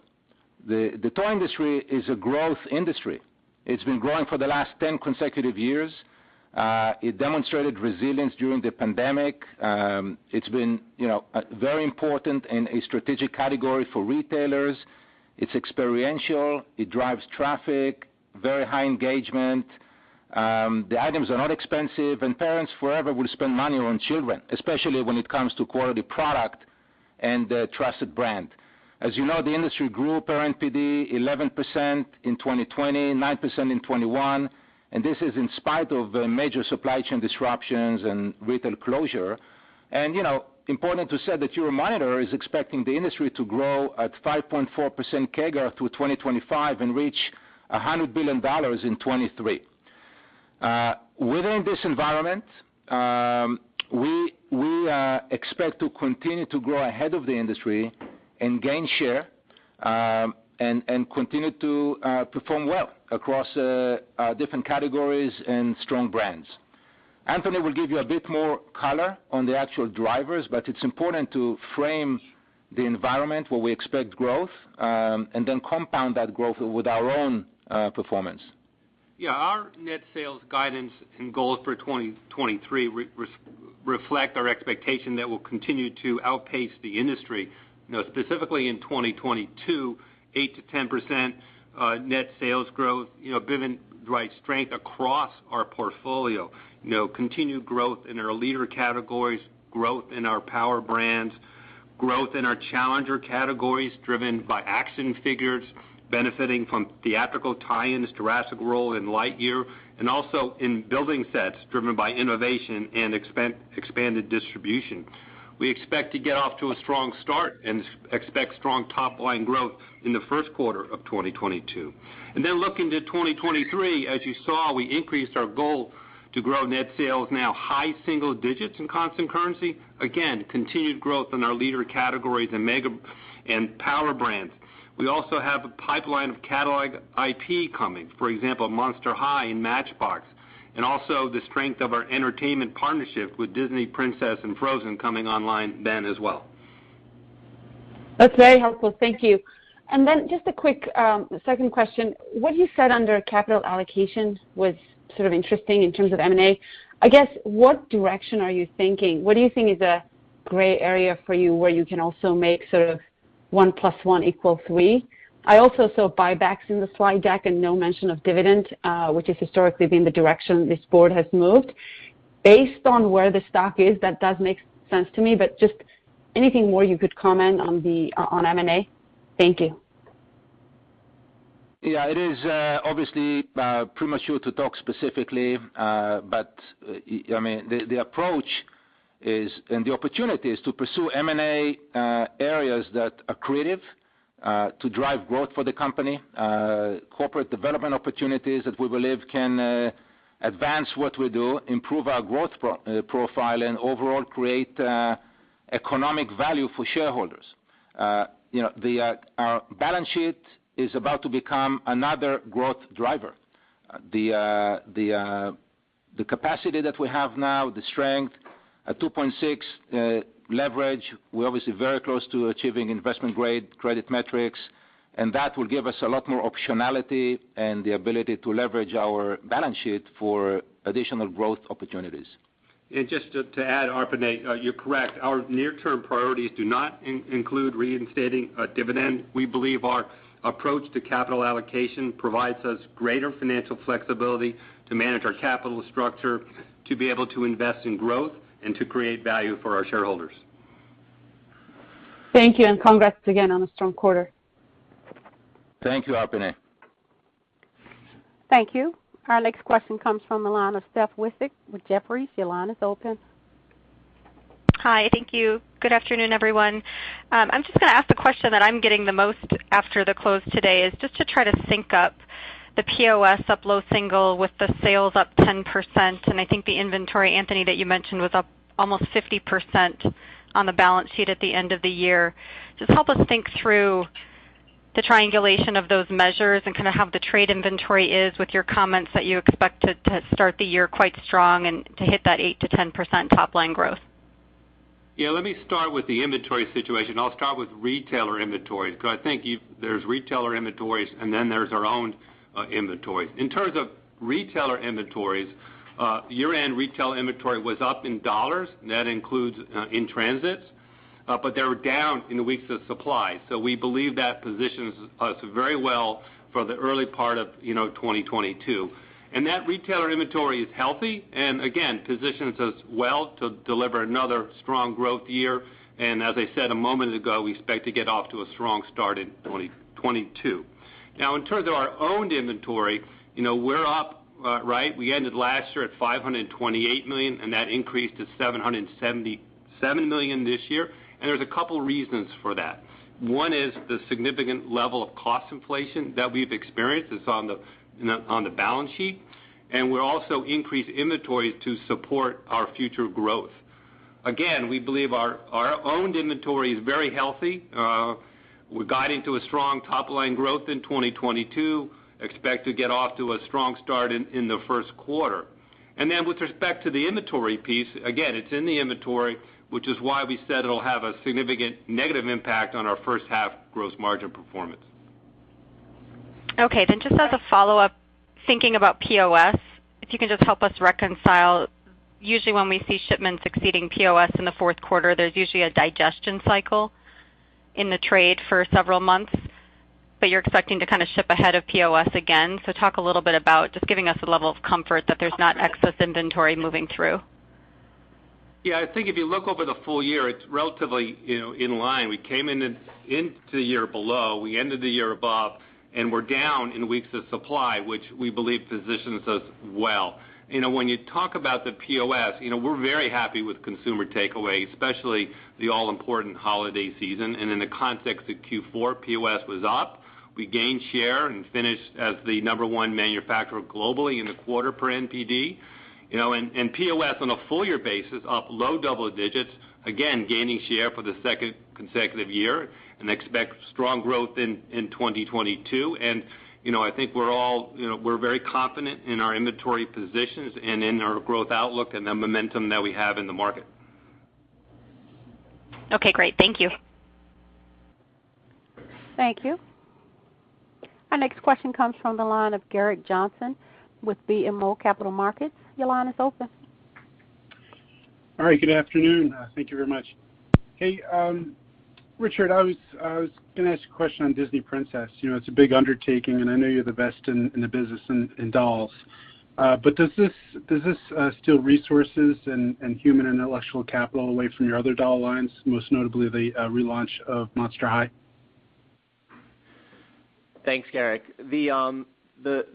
The toy industry is a growth industry. It's been growing for the last 10 consecutive years. It demonstrated resilience during the pandemic. It's been, you know, very important in a strategic category for retailers. It's experiential, it drives traffic, very high engagement. The items are not expensive, and parents forever will spend money on children, especially when it comes to quality product and a trusted brand. As you know, the industry grew per NPD 11% in 2020, 9% in 2021, and this is in spite of major supply chain disruptions and retail closure. You know, important to say that Euromonitor is expecting the industry to grow at 5.4% CAGR through 2025 and reach $100 billion in 2023. Within this environment, we expect to continue to grow ahead of the industry and gain share, and continue to perform well across different categories and strong brands. Anthony will give you a bit more color on the actual drivers, but it's important to frame the environment where we expect growth, and then compound that growth with our own performance. Yeah, our net sales guidance and goals for 2023 reflect our expectation that we'll continue to outpace the industry. You know, specifically in 2022, 8%-10% net sales growth, you know, driven by strength across our portfolio. You know, continued growth in our leader categories, growth in our power brands, growth in our challenger categories driven by action figures, benefiting from theatrical tie-ins, Jurassic World and Lightyear, and also in building sets driven by innovation and expanded distribution. We expect to get off to a strong start and expect strong top-line growth in the first quarter of 2022. Then looking to 2023, as you saw, we increased our goal to grow net sales now high-single-digits in constant currency. Again, continued growth in our leader categories and mega and power brands. We also have a pipeline of catalog IP coming, for example, Monster High and Matchbox, and also the strength of our entertainment partnership with Disney Princess and Frozen coming online then as well. That's very helpful. Thank you. Just a quick second question. What you said under capital allocation was sort of interesting in terms of M&A. I guess, what direction are you thinking? What do you think is a gray area for you where you can also make sort of 1+1=3? I also saw buybacks in the slide deck and no mention of dividend, which has historically been the direction this board has moved. Based on where the stock is, that does make sense to me, but just anything more you could comment on M&A? Thank you. Yeah, it is obviously premature to talk specifically. I mean, the approach is, and the opportunity is to pursue M&A areas that are creative to drive growth for the company, corporate development opportunities that we believe can advance what we do, improve our growth profile, and overall create economic value for shareholders. You know, our balance sheet is about to become another growth driver. The capacity that we have now, the strength at 2.6 leverage, we're obviously very close to achieving investment-grade credit metrics, and that will give us a lot more optionality and the ability to leverage our balance sheet for additional growth opportunities. Just to add, Arpine, you're correct. Our near-term priorities do not include reinstating a dividend. We believe our approach to capital allocation provides us greater financial flexibility to manage our capital structure, to be able to invest in growth, and to create value for our shareholders. Thank you, and congrats again on a strong quarter. Thank you, Arpine. Thank you. Our next question comes from the line of Steph Wissink with Jefferies. Your line is open. Hi. Thank you. Good afternoon, everyone. I'm just gonna ask the question that I'm getting the most after the close today, is just to try to sync up the POS up low-single with the sales up 10%, and I think the inventory, Anthony, that you mentioned was up almost 50% on the balance sheet at the end of the year. Just help us think through the triangulation of those measures and kind of how the trade inventory is with your comments that you expect to start the year quite strong and to hit that 8%-10% top line growth. Yeah, let me start with the inventory situation. I'll start with retailer inventories because I think there's retailer inventories, and then there's our own inventories. In terms of retailer inventories, year-end retail inventory was up in dollars, and that includes in-transits, but they were down in the weeks of supply. We believe that positions us very well for the early part of, you know, 2022. That retailer inventory is healthy and, again, positions us well to deliver another strong growth year. As I said a moment ago, we expect to get off to a strong start in 2022. Now, in terms of our owned inventory, you know, we're up, right? We ended last year at $528 million, and that increased to $777 million this year. There's a couple reasons for that. One is the significant level of cost inflation that we've experienced. It's on the, you know, on the balance sheet. We've also increased inventories to support our future growth. Again, we believe our owned inventory is very healthy. We're guiding to a strong top-line growth in 2022, expect to get off to a strong start in the first quarter. With respect to the inventory piece, again, it's in the inventory, which is why we said it'll have a significant negative impact on our first half gross margin performance. Okay. Just as a follow-up, thinking about POS, if you can just help us reconcile? Usually, when we see shipments exceeding POS in the fourth quarter, there's usually a digestion cycle in the trade for several months, but you're expecting to kind of ship ahead of POS again. Talk a little bit about just giving us a level of comfort that there's not excess inventory moving through? Yeah. I think if you look over the full year, it's relatively, you know, in line. We came in, into the year below, we ended the year above, and we're down in weeks of supply, which we believe positions us well. You know, when you talk about the POS, you know, we're very happy with consumer takeaway, especially the all-important holiday season. In the context of Q4, POS was up. We gained share and finished as the number one manufacturer globally in a quarter per NPD. You know, and POS on a full year basis up low double digits, again, gaining share for the second consecutive year and expect strong growth in 2022. You know, I think we're all, you know, we're very confident in our inventory positions and in our growth outlook and the momentum that we have in the market. Okay, great. Thank you. Thank you. Our next question comes from the line of Gerrick Johnson with BMO Capital Markets. Your line is open. All right. Good afternoon. Thank you very much. Hey, Richard, I was gonna ask a question on Disney Princess. You know, it's a big undertaking, and I know you're the best in the business in dolls. But does this steal resources and human intellectual capital away from your other doll lines, most notably the relaunch of Monster High? Thanks, Gerrick. The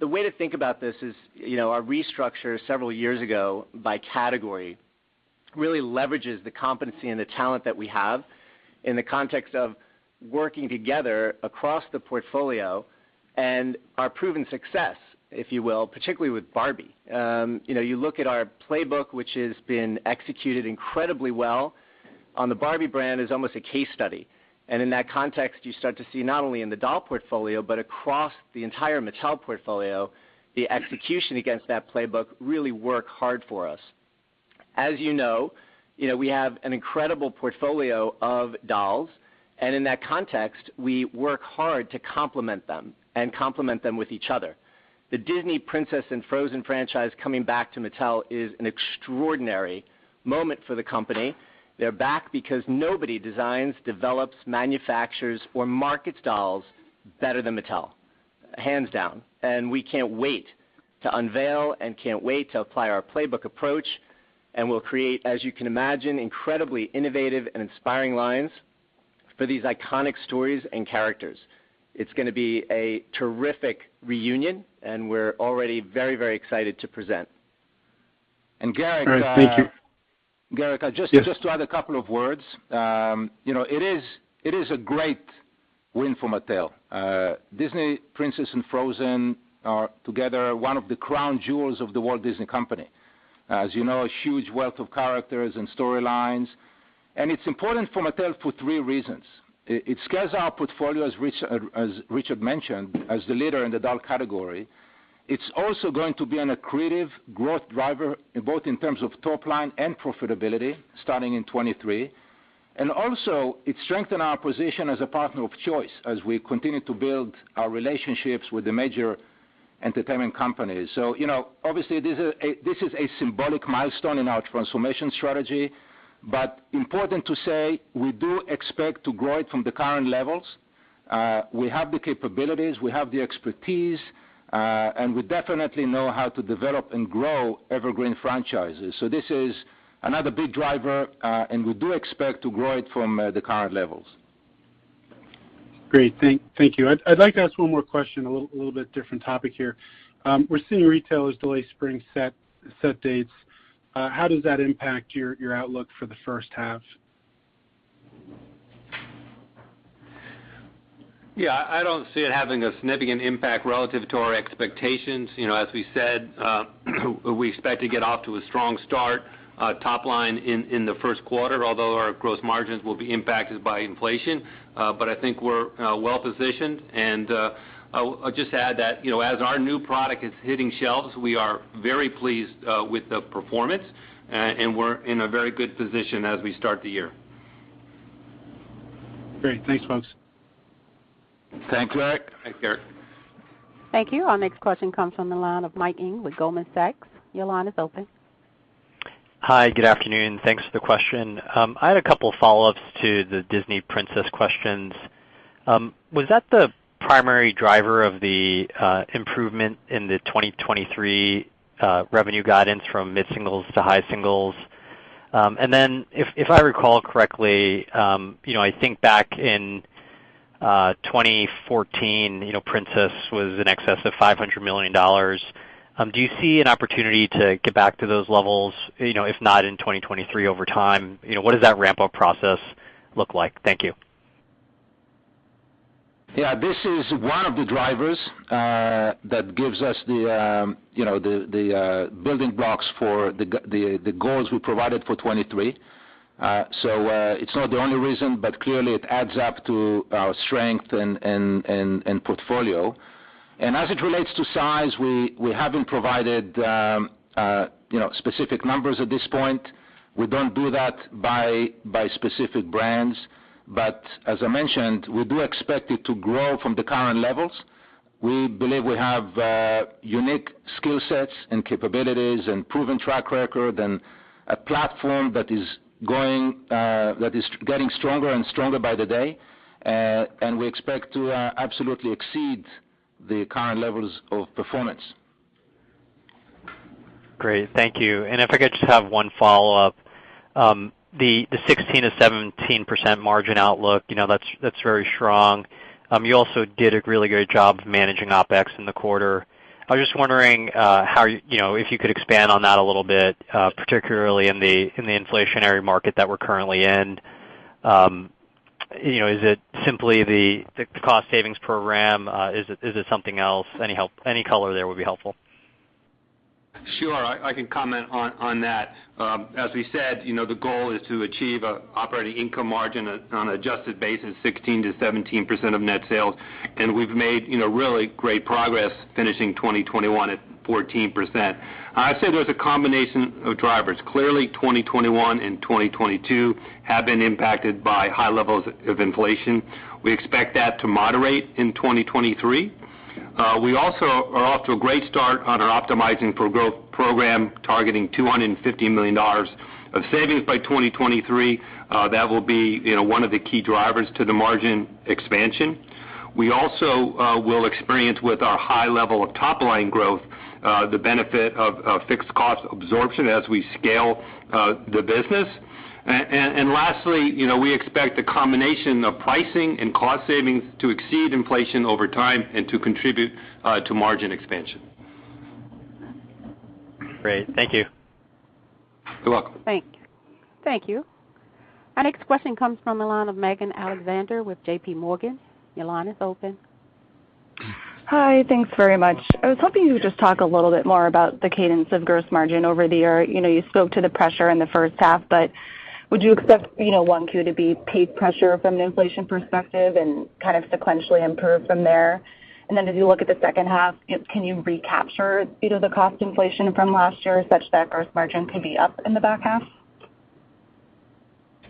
way to think about this is, you know, our restructure several years ago by category really leverages the competency and the talent that we have in the context of working together across the portfolio. Our proven success, if you will, particularly with Barbie. You know, you look at our Playbook, which has been executed incredibly well on the Barbie brand, is almost a case study. In that context, you start to see not only in the doll portfolio, but across the entire Mattel portfolio, the execution against that Playbook really work hard for us. As you know, we have an incredible portfolio of dolls, and in that context, we work hard to complement them and complement them with each other. The Disney Princess and Frozen franchise coming back to Mattel is an extraordinary moment for the company. They're back because nobody designs, develops, manufactures, or markets dolls better than Mattel, hands down. We can't wait to unveil and can't wait to apply our Playbook approach, and we'll create, as you can imagine, incredibly innovative and inspiring lines for these iconic stories and characters. It's gonna be a terrific reunion, and we're already very, very excited to present. Gerrick, All right, thank you. Gerrick, I just. Yes. Just to add a couple of words. You know, it is a great win for Mattel. Disney Princess and Frozen are together one of the crown jewels of the Walt Disney Company. As you know, a huge wealth of characters and storylines. It's important for Mattel for three reasons. It scales our portfolio, as Richard mentioned, as the leader in the doll category. It's also going to be an accretive growth driver, both in terms of top line and profitability starting in 2023. It strengthens our position as a partner of choice as we continue to build our relationships with the major entertainment companies. You know, obviously, this is a symbolic milestone in our transformation strategy, but important to say, we do expect to grow it from the current levels. We have the capabilities, we have the expertise, and we definitely know how to develop and grow evergreen franchises. This is another big driver, and we do expect to grow it from the current levels. Great. Thank you. I'd like to ask one more question, a little bit different topic here. We're seeing retailers delay spring set dates. How does that impact your outlook for the first half? Yeah. I don't see it having a significant impact relative to our expectations. You know, as we said, we expect to get off to a strong start, top line in the first quarter, although our gross margins will be impacted by inflation. I think we're well positioned. I'll just add that, you know, as our new product is hitting shelves, we are very pleased with the performance, and we're in a very good position as we start the year. Great. Thanks, folks. Thanks, Gerrick. Thanks, Gerrick. Thank you. Our next question comes from the line of Mike Ng with Goldman Sachs. Your line is open. Hi. Good afternoon. Thanks for the question. I had a couple follow-ups to the Disney Princess questions. Was that the primary driver of the improvement in the 2023 revenue guidance from mid-singles to high singles? And then if I recall correctly, you know, I think back in 2014, you know, Princess was in excess of $500 million. Do you see an opportunity to get back to those levels, you know, if not in 2023 over time? You know, what does that ramp-up process look like? Thank you. Yeah. This is one of the drivers that gives us you know the building blocks for the goals we provided for 2023. It's not the only reason, but clearly it adds up to our strength and portfolio. As it relates to size, we haven't provided specific numbers at this point. We don't do that by specific brands. As I mentioned, we do expect it to grow from the current levels. We believe we have unique skill sets and capabilities and proven track record and a platform that is getting stronger and stronger by the day. We expect to absolutely exceed the current levels of performance. Great. Thank you. If I could just have one follow-up. The 16%-17% margin outlook, you know, that's very strong. You also did a really great job managing OpEx in the quarter. I was just wondering, you know, if you could expand on that a little bit, particularly in the inflationary market that we're currently in. You know, is it simply the cost savings program? Is it something else? Any color there would be helpful. I can comment on that. As we said, you know, the goal is to achieve an operating income margin on an adjusted basis, 16%-17% of net sales, and we've made, you know, really great progress finishing 2021 at 14%. I'd say there's a combination of drivers. Clearly, 2021 and 2022 have been impacted by high levels of inflation. We expect that to moderate in 2023. We also are off to a great start on our Optimizing for Growth program, targeting $250 million of savings by 2023. That will be, you know, one of the key drivers to the margin expansion. We also will experience with our high level of top-line growth the benefit of fixed cost absorption as we scale the business. Lastly, you know, we expect the combination of pricing and cost savings to exceed inflation over time and to contribute to margin expansion. Great. Thank you. You're welcome. Thank you. Our next question comes from the line of Megan Alexander with JPMorgan. Your line is open. Hi. Thanks very much. I was hoping you would just talk a little bit more about the cadence of gross margin over the year. You know, you spoke to the pressure in the first half, but would you expect, you know, Q1 to be peak pressure from an inflation perspective and kind of sequentially improve from there? Then as you look at the second half, can you recapture, you know, the cost inflation from last year such that gross margin could be up in the back half?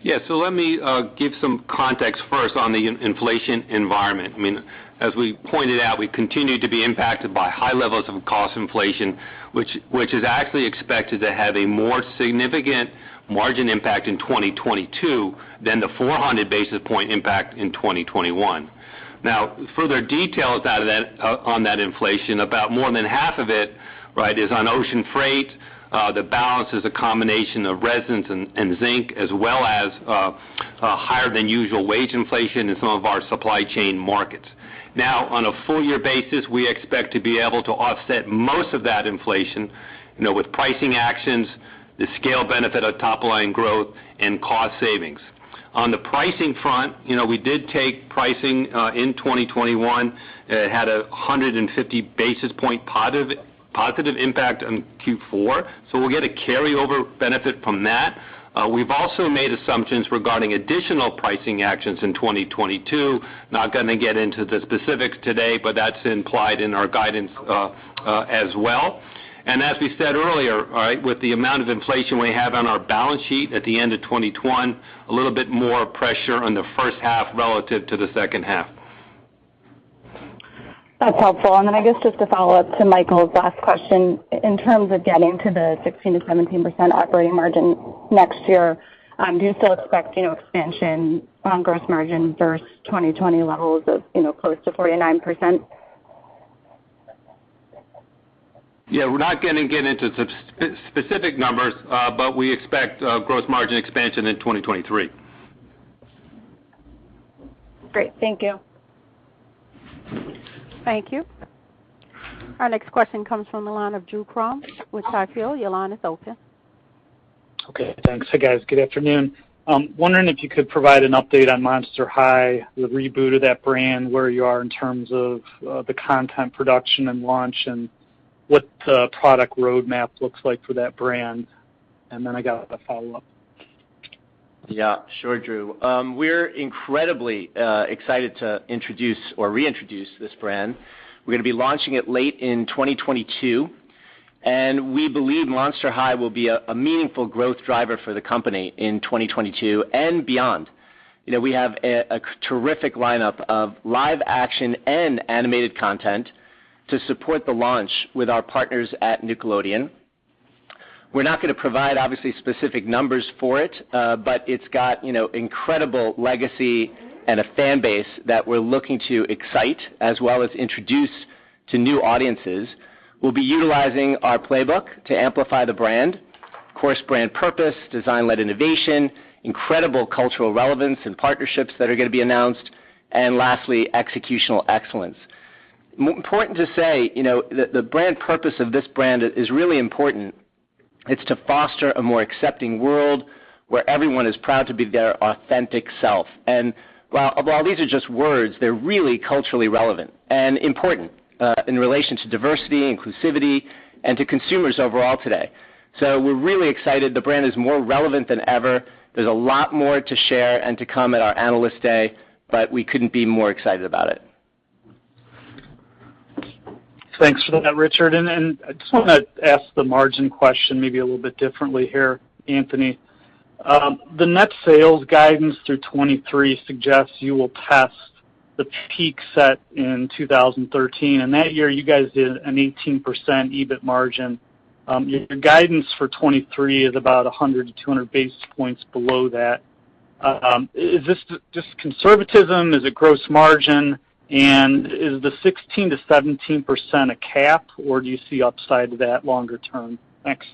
Yeah. Let me give some context first on the inflation environment. I mean, as we pointed out, we continue to be impacted by high levels of cost inflation, which is actually expected to have a more significant margin impact in 2022 than the 400 basis point impact in 2021. Now, further details out of that on that inflation, about more than half of it, right, is on ocean freight. The balance is a combination of resins and zinc, as well as higher than usual wage inflation in some of our supply chain markets. Now, on a full year basis, we expect to be able to offset most of that inflation, you know, with pricing actions, the scale benefit of top-line growth, and cost savings. On the pricing front, you know, we did take pricing in 2021. It had 150 basis point positive impact on Q4, so we'll get a carryover benefit from that. We've also made assumptions regarding additional pricing actions in 2022. Not gonna get into the specifics today, but that's implied in our guidance, as well. As we said earlier, all right, with the amount of inflation we have on our balance sheet at the end of 2021, a little bit more pressure on the first half relative to the second half. That's helpful. Then I guess just to follow up to Michael's last question, in terms of getting to the 16%-17% operating margin next year, do you still expect, you know, expansion on gross margin versus 2020 levels of, you know, close to 49%? Yeah. We're not gonna get into specific numbers, but we expect gross margin expansion in 2023. Great. Thank you. Thank you. Our next question comes from the line of Drew Crum with Stifel. Your line is open. Okay, thanks. Hey, guys. Good afternoon. Wondering if you could provide an update on Monster High, the reboot of that brand, where you are in terms of the content production and launch, and what the product roadmap looks like for that brand. I got a follow-up. Yeah. Sure, Drew. We're incredibly excited to introduce or reintroduce this brand. We're gonna be launching it late in 2022, and we believe Monster High will be a meaningful growth driver for the company in 2022 and beyond. You know, we have a terrific lineup of live action and animated content to support the launch with our partners at Nickelodeon. We're not gonna provide, obviously, specific numbers for it, but it's got, you know, incredible legacy and a fan base that we're looking to excite as well as introduce to new audiences. We'll be utilizing our playbook to amplify the brand. Of course, brand purpose, design-led innovation, incredible cultural relevance and partnerships that are gonna be announced, and lastly, executional excellence. Important to say, you know, the brand purpose of this brand is really important. It's to foster a more accepting world where everyone is proud to be their authentic self. While these are just words, they're really culturally relevant and important in relation to diversity, inclusivity, and to consumers overall today. We're really excited. The brand is more relevant than ever. There's a lot more to share and to come at our Analyst Day, but we couldn't be more excited about it. Thanks for that, Richard. I just wanna ask the margin question maybe a little bit differently here, Anthony. The net sales guidance through 2023 suggests you will pass the peak set in 2013, and that year you guys did an 18% EBIT margin. Your guidance for 2023 is about 100-200 basis points below that. Is this just conservatism? Is it gross margin? Is the 16%-17% a cap, or do you see upside to that longer-term? Thanks.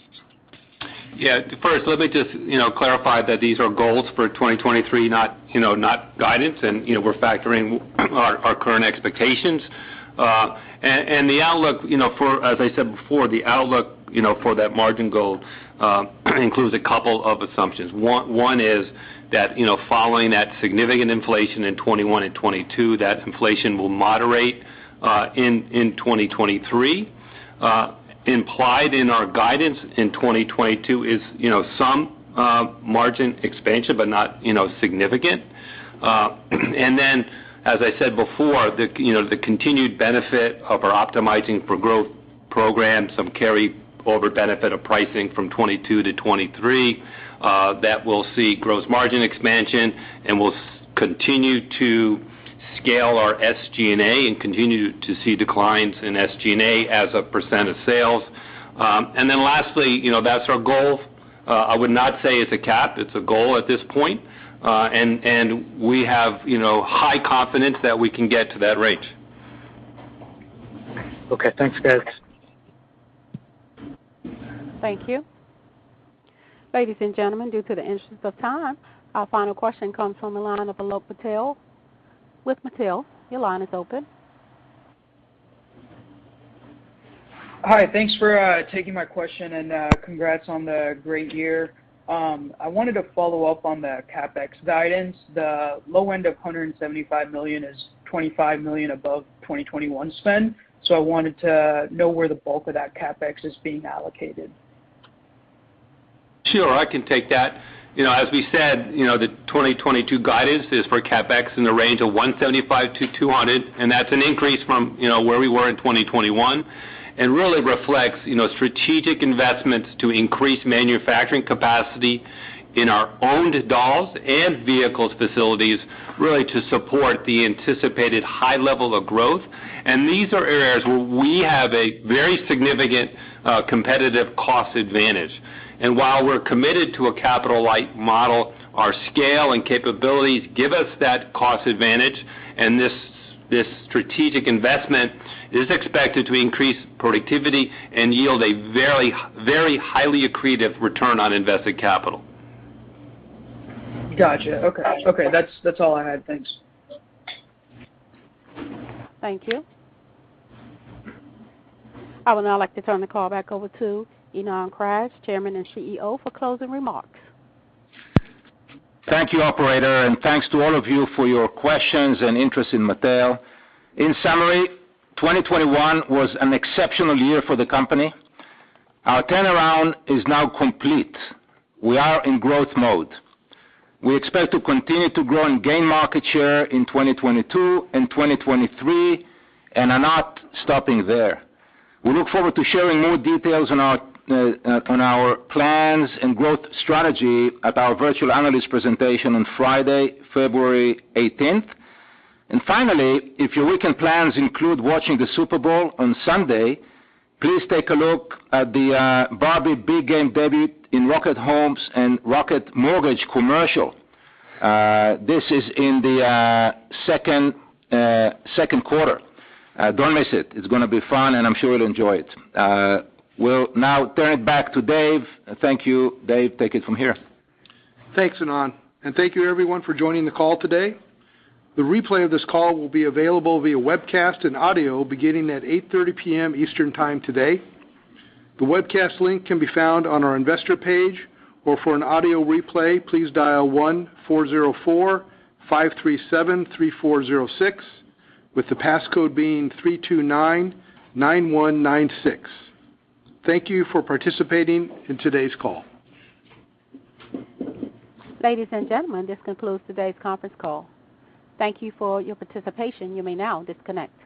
Yeah. First, let me just, you know, clarify that these are goals for 2023, not, you know, not guidance, and, you know, we're factoring our current expectations. And the outlook, you know, for—as I said before, the outlook, you know, for that margin goal, includes a couple of assumptions. One is that, you know, following that significant inflation in 2021 and 2022, that inflation will moderate, in 2023. Implied in our guidance in 2022 is, you know, some margin expansion, but not, you know, significant. As I said before, you know, the continued benefit of our Optimizing for Growth program, some carryover benefit of pricing from 2022-2023, that will see gross margin expansion and will continue to scale our SG&A and continue to see declines in SG&A as a percent of sales. Lastly, you know, that's our goal. I would not say it's a cap. It's a goal at this point. We have, you know, high confidence that we can get to that range. Okay. Thanks, guys. Thank you. Ladies and gentlemen, in the interest of time, our final question comes from the line of Alok Patel with Mattel. Your line is open. Hi. Thanks for taking my question, and congrats on the great year. I wanted to follow up on the CapEx guidance. The low end of $175 million is $25 million above 2021 spend, so I wanted to know where the bulk of that CapEx is being allocated. Sure. I can take that. You know, as we said, you know, the 2022 guidance is for CapEx in the range of $175 million-$200 million, and that's an increase from, you know, where we were in 2021, and really reflects, you know, strategic investments to increase manufacturing capacity in our owned dolls and vehicles facilities really to support the anticipated high level of growth. These are areas where we have a very significant competitive cost advantage. While we're committed to a capital light model, our scale and capabilities give us that cost advantage, and this strategic investment is expected to increase productivity and yield a very, very highly accretive return on invested capital. Gotcha. Okay. Okay, that's all I had. Thanks. Thank you. I would now like to turn the call back over to Ynon Kreiz, Chairman and CEO, for closing remarks. Thank you, operator, and thanks to all of you for your questions and interest in Mattel. In summary, 2021 was an exceptional year for the company. Our turnaround is now complete. We are in growth mode. We expect to continue to grow and gain market share in 2022 and 2023 and are not stopping there. We look forward to sharing more details on our plans and growth strategy at our virtual analyst presentation on Friday, February 18. Finally, if your weekend plans include watching the Super Bowl on Sunday, please take a look at the Barbie Big Game Debut in Rocket Homes and Rocket Mortgage commercial. This is in the second quarter. Don't miss it. It's gonna be fun, and I'm sure you'll enjoy it. We'll now turn it back to Dave. Thank you, Dave. Take it from here. Thanks, Ynon, and thank you, everyone, for joining the call today. The replay of this call will be available via webcast and audio beginning at 8:30 P.M. Eastern Time today. The webcast link can be found on our investor page, or for an audio replay, please dial 1-404-537-3406, with the passcode being 3299196. Thank you for participating in today's call. Ladies and gentlemen, this concludes today's conference call. Thank you for your participation. You may now disconnect.